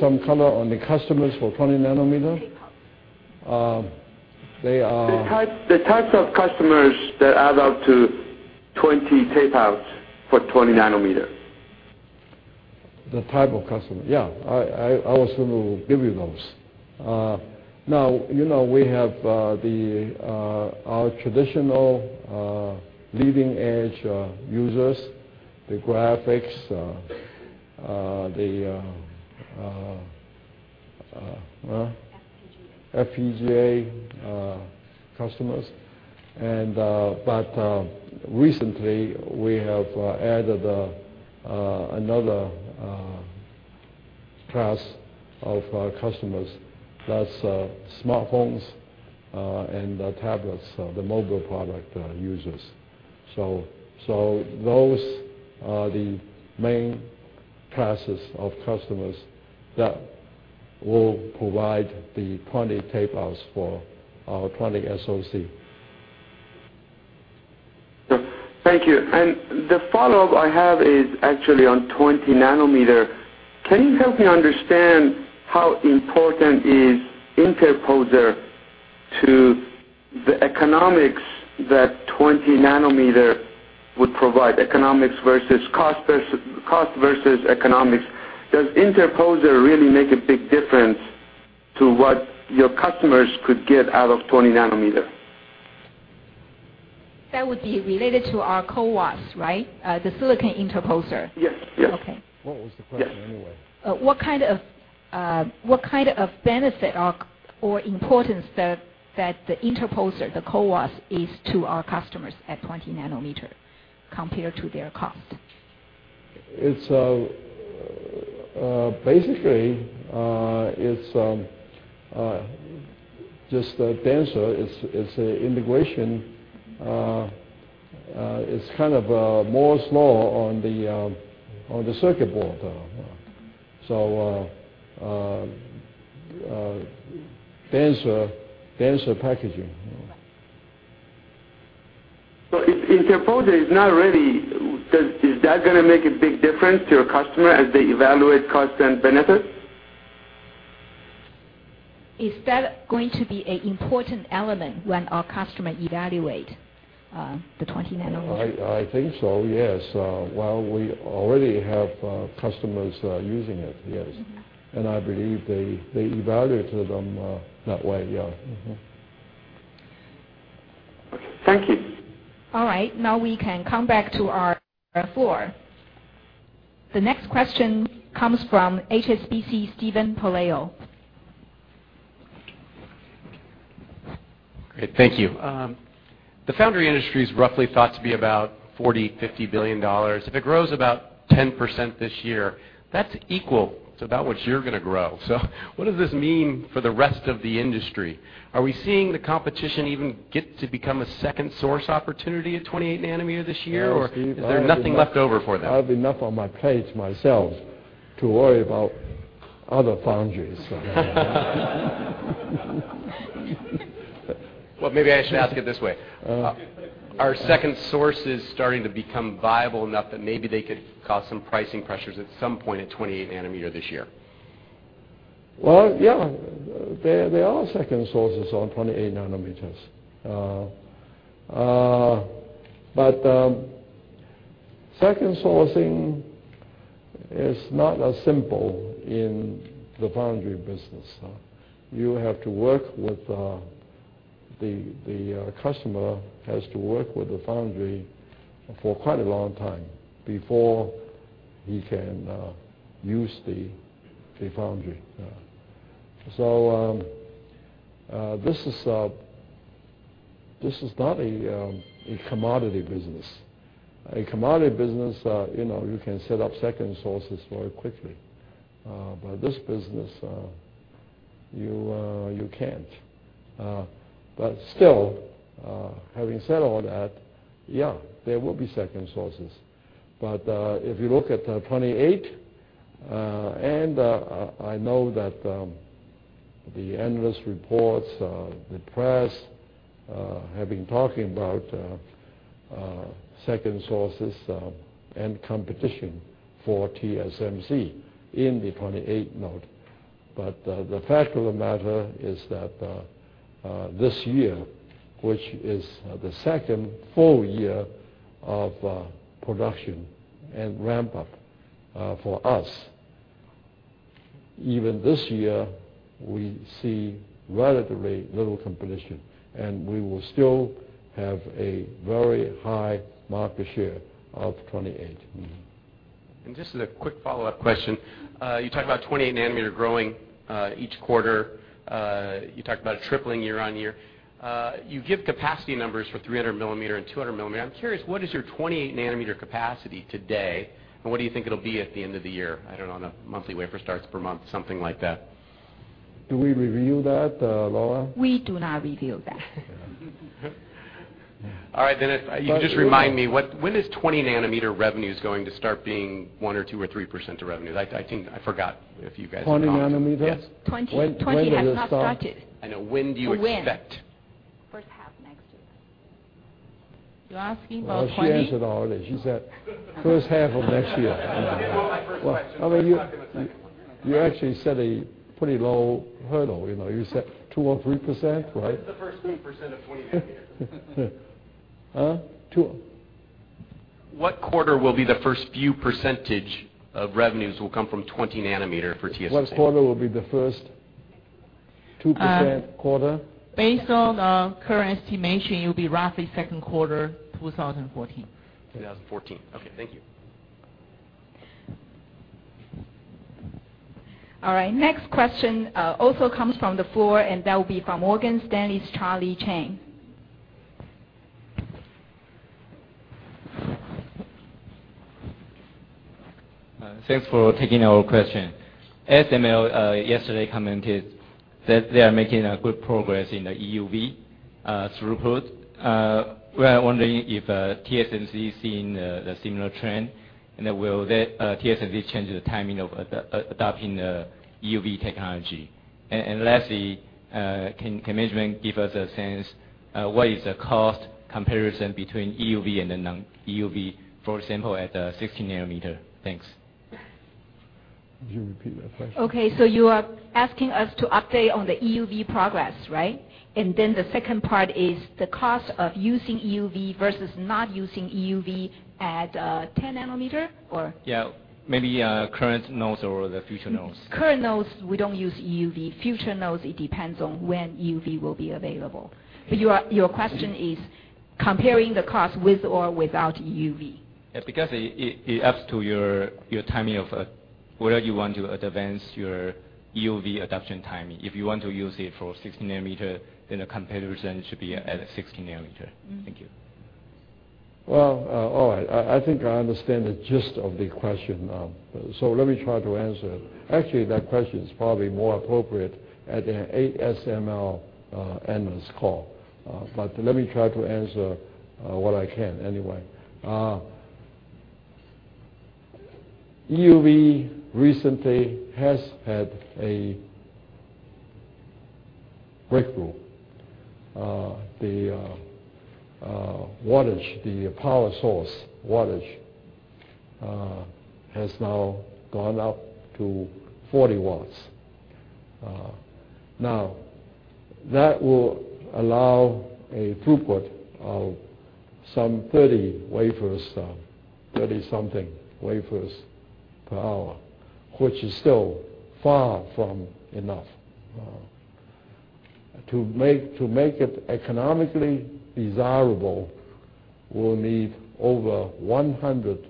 Some color on the customers for 20 nm? Tape outs. They are The types of customers that add up to 20 tape outs for 20 nm. The type of customer. Yeah. I was going to give you those. We have our traditional leading-edge users, the graphics. FPGA FPGA customers. Recently we have added another class of customers, that's smartphones and tablets, the mobile product users. Those are the main classes of customers that will provide the 20 tape outs for our 20SoC. Thank you. The follow-up I have is actually on 20 nm. Can you help me understand how important is interposer to the economics that 20 nm would provide, cost versus economics? Does interposer really make a big difference to what your customers could get out of 20 nm? That would be related to our CoWoS, right? The silicon interposer. Yes. Okay. What was the question anyway? What kind of benefit or importance that the interposer, the CoWoS, is to our customers at 20 nm compared to their cost? It's basically just denser. It's an integration. It's kind of Moore's law on the circuit board. Denser packaging. interposer is not ready. Is that going to make a big difference to your customer as they evaluate cost and benefit? Is that going to be an important element when our customer evaluates the 20 nm? I think so, yes. We already have customers using it, yes. I believe they evaluate them that way, yeah. Okay. Thank you. All right. Now we can come back to our floor. The next question comes from HSBC, Steven Pelayo. Great. Thank you. The foundry industry is roughly thought to be about 40 billion, 50 billion dollars. If it grows about 10% this year, that's equal to about what you're going to grow. What does this mean for the rest of the industry? Are we seeing the competition even get to become a second source opportunity at 28 nm this year- Well, Steve- Is there nothing left over for them? I have enough on my plate myself to worry about other foundries. Well, maybe I should ask it this way. Uh- Are second sources starting to become viable enough that maybe they could cause some pricing pressures at some point at 28 nm this year? Well, yeah. There are second sources on 28 nanometers. Second sourcing is not as simple in the foundry business. The customer has to work with the foundry for quite a long time before he can use the foundry. This is not a commodity business. A commodity business, you can set up second sources very quickly. This business, you can't. Still, having said all that, yeah, there will be second sources. If you look at 28, and I know that the analyst reports, the press have been talking about second sources and competition for TSMC in the 28 node. The fact of the matter is that this year, which is the second full year of production and ramp-up for us, even this year, we see relatively little competition, and we will still have a very high market share of 28. Mm-hmm. Just as a quick follow-up question. You talked about 28 nm growing each quarter. You talked about it tripling year-on-year. You give capacity numbers for 300 millimeter and 200 millimeter. I'm curious, what is your 28 nm capacity today, and what do you think it'll be at the end of the year? I don't know, on a monthly wafer starts per month, something like that. Do we review that, Lora? We do not review that. All right, if you could just remind me, when is 20 nm revenues going to start being 1% or 2% or 3% of revenues? I forgot if you guys had talked about that. 20 nanometers? Yes. 20 has not started. When does it start? I know. When do you expect? To when? First half next year. You're asking about 20? Well, she answered already. She said first half of next year. It was my first question. I'm not going to second guess. You actually set a pretty low hurdle. You said two or three%, right? What's the first few % of 20 nanometers? Huh? Two. What quarter will be the first few % of revenues will come from 20 nm for TSMC? What quarter will be the first 2% quarter? Based on current estimation, it will be roughly second quarter 2014. 2014. Okay. Thank you. All right. Next question also comes from the floor. That will be from Morgan Stanley's Charlie Chan. Thanks for taking our question. ASML yesterday commented that they are making good progress in the EUV throughput. We are wondering if TSMC is seeing the similar trend. Will TSMC change the timing of adopting the EUV technology? Lastly, can management give us a sense what is the cost comparison between EUV and the non-EUV, for example, at the 16 nanometer? Thanks. Could you repeat that question? Okay, you are asking us to update on the EUV progress, right? Then the second part is the cost of using EUV versus not using EUV at 10 nm, or? Yeah. Maybe current nodes or the future nodes. Current nodes, we don't use EUV. Future nodes, it depends on when EUV will be available. Your question is comparing the cost with or without EUV? Yeah, whether you want to advance your EUV adoption timing, if you want to use it for 16 nanometer, the competitor then should be at 16 nanometer. Thank you. Well, all right. I think I understand the gist of the question, let me try to answer it. Actually, that question is probably more appropriate at an ASML analyst call. Let me try to answer what I can anyway. EUV recently has had a breakthrough. The power source wattage has now gone up to 40 watts. That will allow a throughput of some 30-something wafers per hour, which is still far from enough. To make it economically desirable, we'll need over 100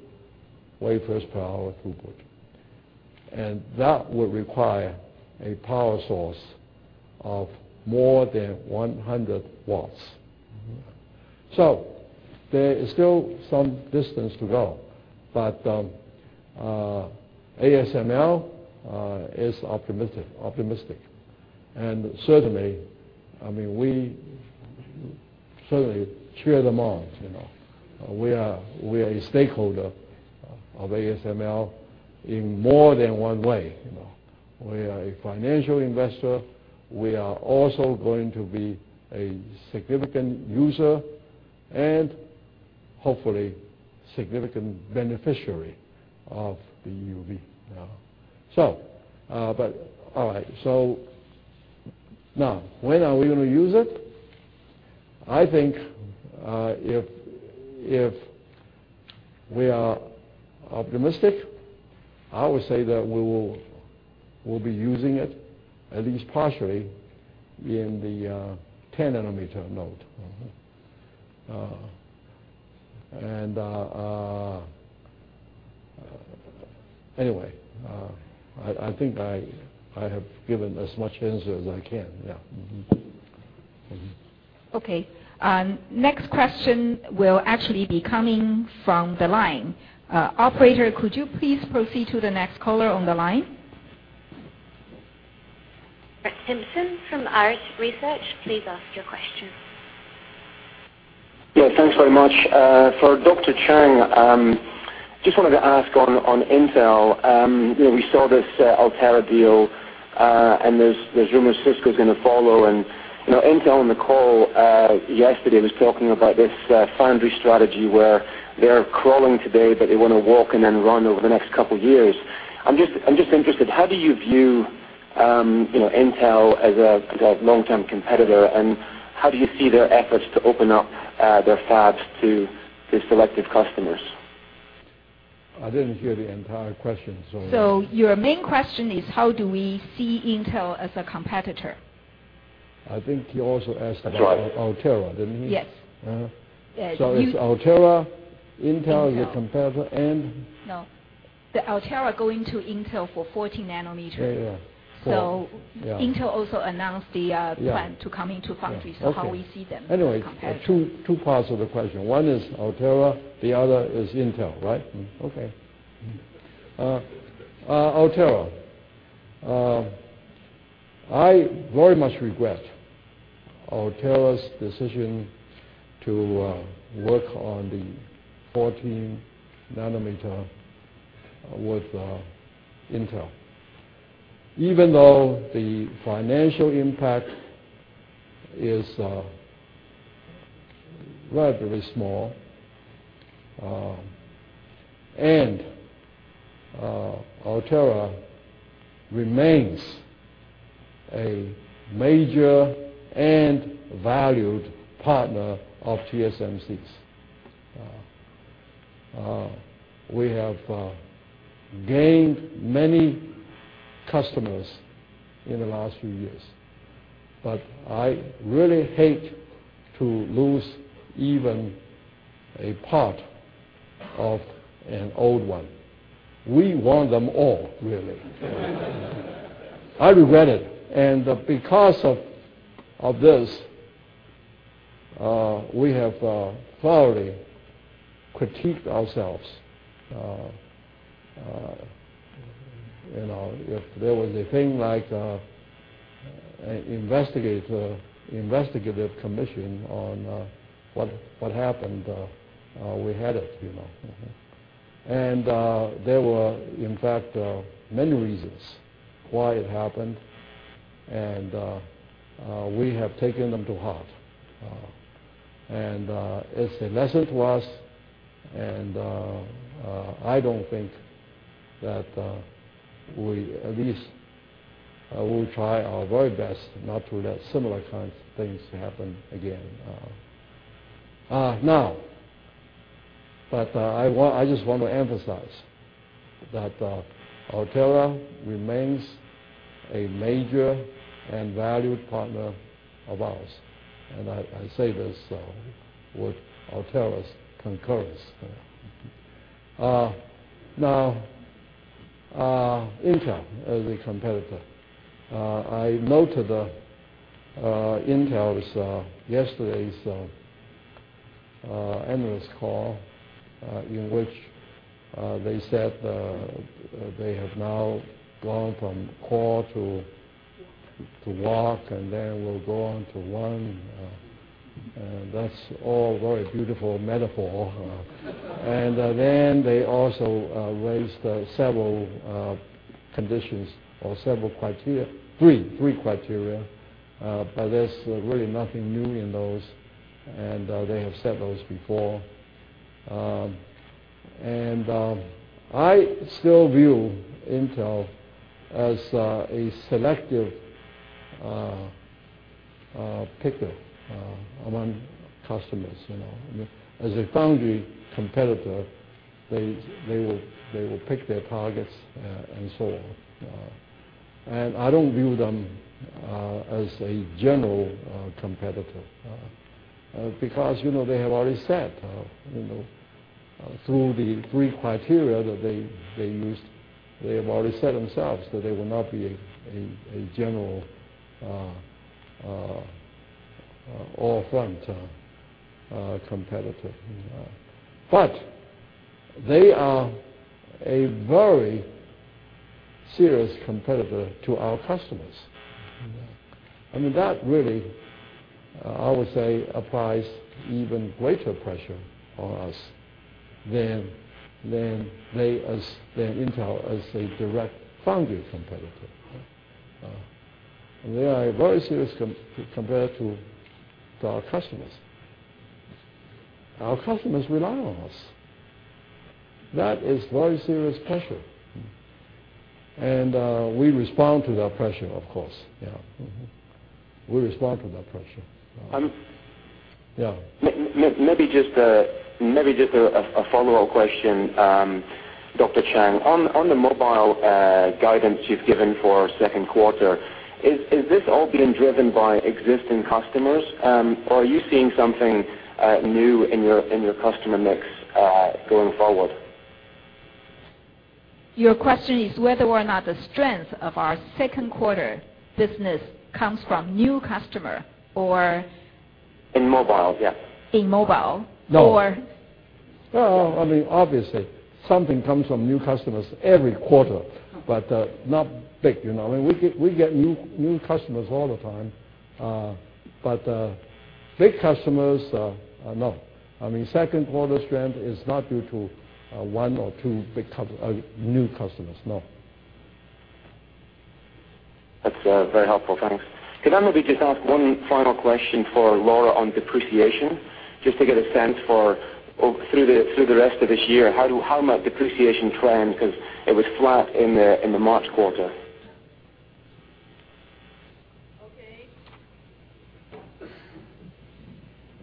wafers per hour throughput, and that will require a power source of more than 100 watts. There is still some distance to go, but ASML is optimistic. Certainly, we certainly cheer them on. We are a stakeholder of ASML in more than one way. We are a financial investor, we are also going to be a significant user and hopefully significant beneficiary of the EUV. Now, when are we going to use it? I think if we are optimistic, I would say that we'll be using it at least partially in the 10-nanometer node. Anyway, I think I have given as much answer as I can. Yeah. Okay. Next question will actually be coming from the line. Operator, could you please proceed to the next caller on the line? Brett Simpson from Arete Research, please ask your question. Thanks very much. For Dr. Chang, just wanted to ask on Intel. We saw this Altera deal, and there's rumor Cisco's going to follow. Intel on the call yesterday was talking about this foundry strategy where they're crawling today, but they want to walk and then run over the next couple of years. I'm just interested, how do you view Intel as a long-term competitor, and how do you see their efforts to open up their fabs to selective customers? I didn't hear the entire question. Your main question is how do we see Intel as a competitor? I think he also asked about. Right Altera, didn't he? Yes. Yeah. Do you- it's Altera, Intel- Intel your competitor, and? No. The Altera going to Intel for 14 nanometer. Yeah, yeah. So- Yeah Intel also announced. Yeah The plan to come into foundry. Okay. how we see them- Anyway as a competitor. Two parts of the question. One is Altera, the other is Intel, right? Okay. Altera. I very much regret Altera's decision to work on the 14 nanometer with Intel, even though the financial impact is relatively small, and Altera remains a major and valued partner of TSMC's. We have gained many customers in the last few years. I really hate to lose even a part of an old one. We want them all, really. I regret it, and because of this, we have thoroughly critiqued ourselves. If there was a thing like a investigative commission on what happened, we had it. There were in fact many reasons why it happened, we have taken them to heart. It's a lesson to us, I don't think that we will try our very best not to let similar kinds of things happen again. I just want to emphasize that Altera remains a major and valued partner of ours. I say this with Altera's concurrence. Intel as a competitor. I noted Intel's yesterday's analyst call, in which they said they have now gone from crawl to walk, we'll go on to run. That's all very beautiful metaphor. They also raised several conditions or several criteria, three criteria, there's really nothing new in those, they have said those before. I still view Intel as a selective picker among customers. As a foundry competitor, they will pick their targets and so on. I don't view them as a general competitor because they have already said, through the three criteria that they used, they have already said themselves that they will not be a general all-front competitor. They are a very serious competitor to our customers. That really, I would say, applies even greater pressure on us than Intel as a direct foundry competitor. They are a very serious competitor to our customers. Our customers rely on us. That is very serious pressure, we respond to that pressure, of course. Yeah. We respond to that pressure. Maybe just a follow-up question, Dr. Chang. On the mobile guidance you've given for second quarter, is this all being driven by existing customers? Are you seeing something new in your customer mix going forward? Your question is whether or not the strength of our second quarter business comes from new customer or In mobile, yeah. In mobile. No. Well, obviously, something comes from new customers every quarter, not big. We get new customers all the time. Big customers, no. Second quarter strength is not due to one or two big new customers, no. That's very helpful. Thanks. Could I maybe just ask one final question for Lora on depreciation, just to get a sense for through the rest of this year, how might depreciation trend, because it was flat in the March quarter? Okay.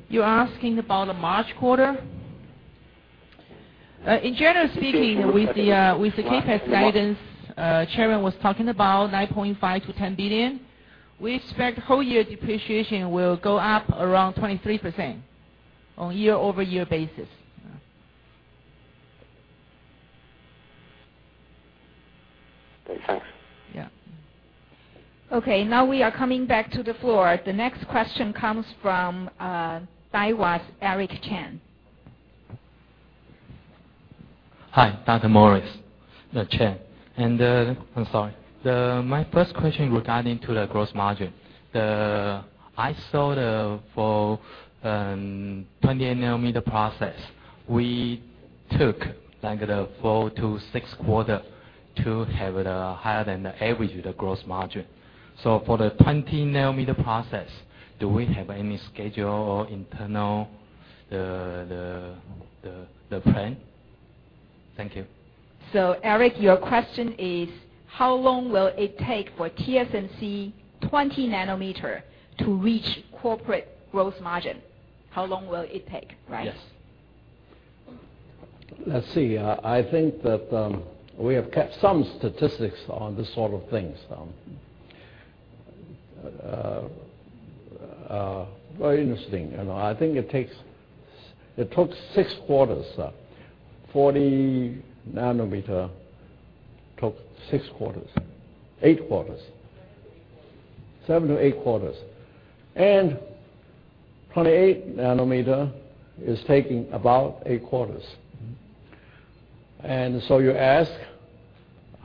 You're asking about the March quarter? In general speaking, with the CapEx guidance, Chairman was talking about 9.5 billion-10 billion. We expect whole year depreciation will go up around 23% on year-over-year basis. Okay, thanks. Yeah. Okay, now we are coming back to the floor. The next question comes from Daiwa's Eric Chen. Hi, Dr. Morris Chang. I'm sorry. My first question regarding to the gross margin. I saw for 28 nm process, we took like the 4 to 6 quarter to have the higher than the average of the gross margin. For the 20 nm process, do we have any schedule or internal plan? Thank you. Eric, your question is, how long will it take for TSMC 20 nm to reach corporate gross margin? How long will it take, right? Yes. Let's see. I think that we have kept some statistics on these sort of things. Very interesting. I think it took six quarters, 40 nm took six quarters. Eight quarters. Seven to eight quarters. Seven to eight quarters. 28 nm is taking about eight quarters. You ask,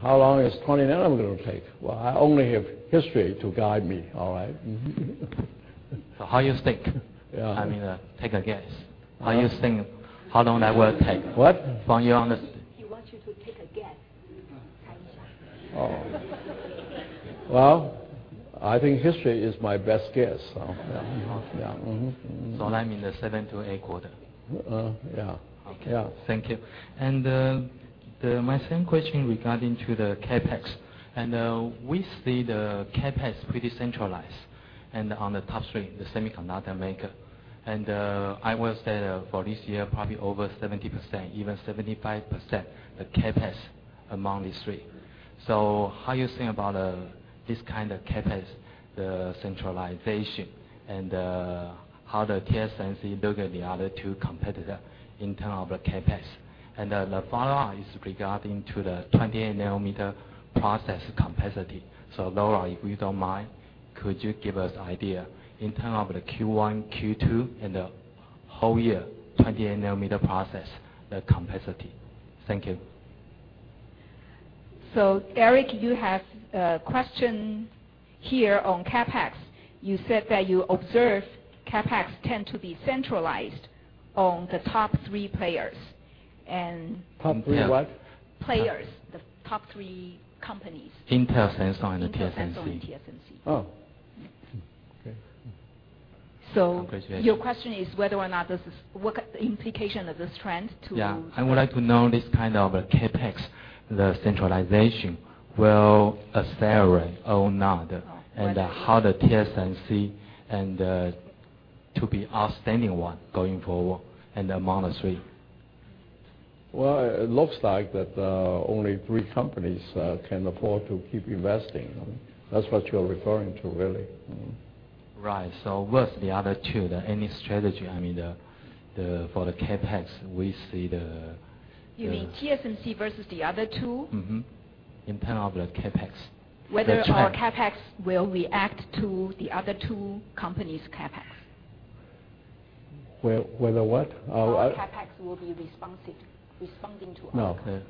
how long is 20 nm going to take? Well, I only have history to guide me. All right. How you think? Yeah. Take a guess. How you think, how long that will take? What? From your under. He wants you to take a guess. Well, I think history is my best guess. That mean the seven to eight quarter. Yeah. Okay. Yeah. Thank you. My second question regarding to the CapEx. We see the CapEx pretty centralized. On the top three, the semiconductor maker. I will say that for this year, probably over 70%, even 75%, the CapEx among these three. How you think about this kind of CapEx, the centralization, and how the TSMC look at the other two competitor in term of the CapEx? The follow-on is regarding to the 28 nm process capacity. Lora, if you don't mind, could you give us idea in term of the Q1, Q2, and the whole year, 28 nm process, the capacity? Thank you. Eric, you have a question here on CapEx. You said that you observe CapEx tend to be centralized on the top three players. Top three what? Players. The top three companies. Intel, Samsung, and TSMC. Intel, Samsung, and TSMC. Oh, okay. So- Congratulations. your question is whether or not this is what implication of this trend. Yeah. I would like to know this kind of CapEx, the centralization, will accelerate or not, and how the TSMC and to be outstanding one going forward in among the three. Well, it looks like that only three companies can afford to keep investing. That is what you are referring to, really. Right. With the other two, any strategy? For the CapEx, we see. You mean TSMC versus the other two? Mm-hmm. In terms of the CapEx. The trend. Whether our CapEx will react to the other two companies' CapEx. Whether what? Our CapEx will be responsive, responding to other CapEx. No.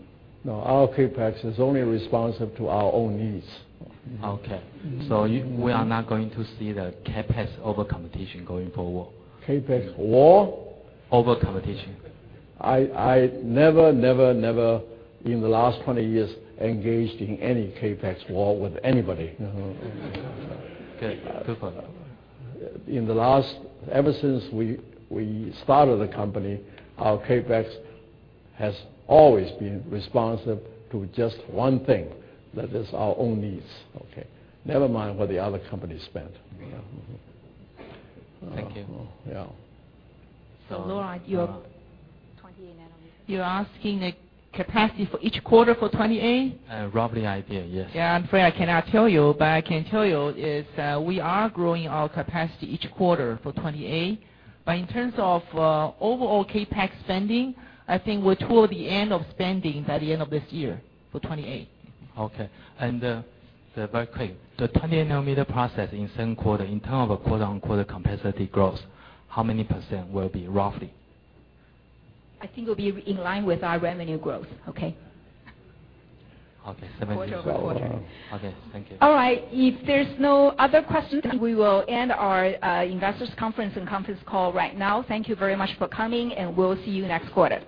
No, our CapEx is only responsive to our own needs. Okay. We are not going to see the CapEx overcompetition going forward. CapEx war? Overcompetition. I never, never, in the last 20 years, engaged in any CapEx war with anybody. Good. Good point. In the last, ever since we started the company, our CapEx has always been responsive to just one thing. That is our own needs, okay? Never mind what the other company spend. Thank you. Yeah. Lora, 28 nm. You're asking the capacity for each quarter for 28? Roughly idea, yes. Yeah, I'm afraid I cannot tell you, but I can tell you is, we are growing our capacity each quarter for 28. In terms of overall CapEx spending, I think we're toward the end of spending by the end of this year for 28. Okay. Very quick, the 28 nm process in second quarter, in term of a quarter-on-quarter capacity growth, how many % will it be roughly? I think it'll be in line with our revenue growth. Okay? Okay. 17- Quarter-over-quarter. Okay. Thank you. All right. If there's no other questions, we will end our investors conference and conference call right now. Thank you very much for coming, and we'll see you next quarter.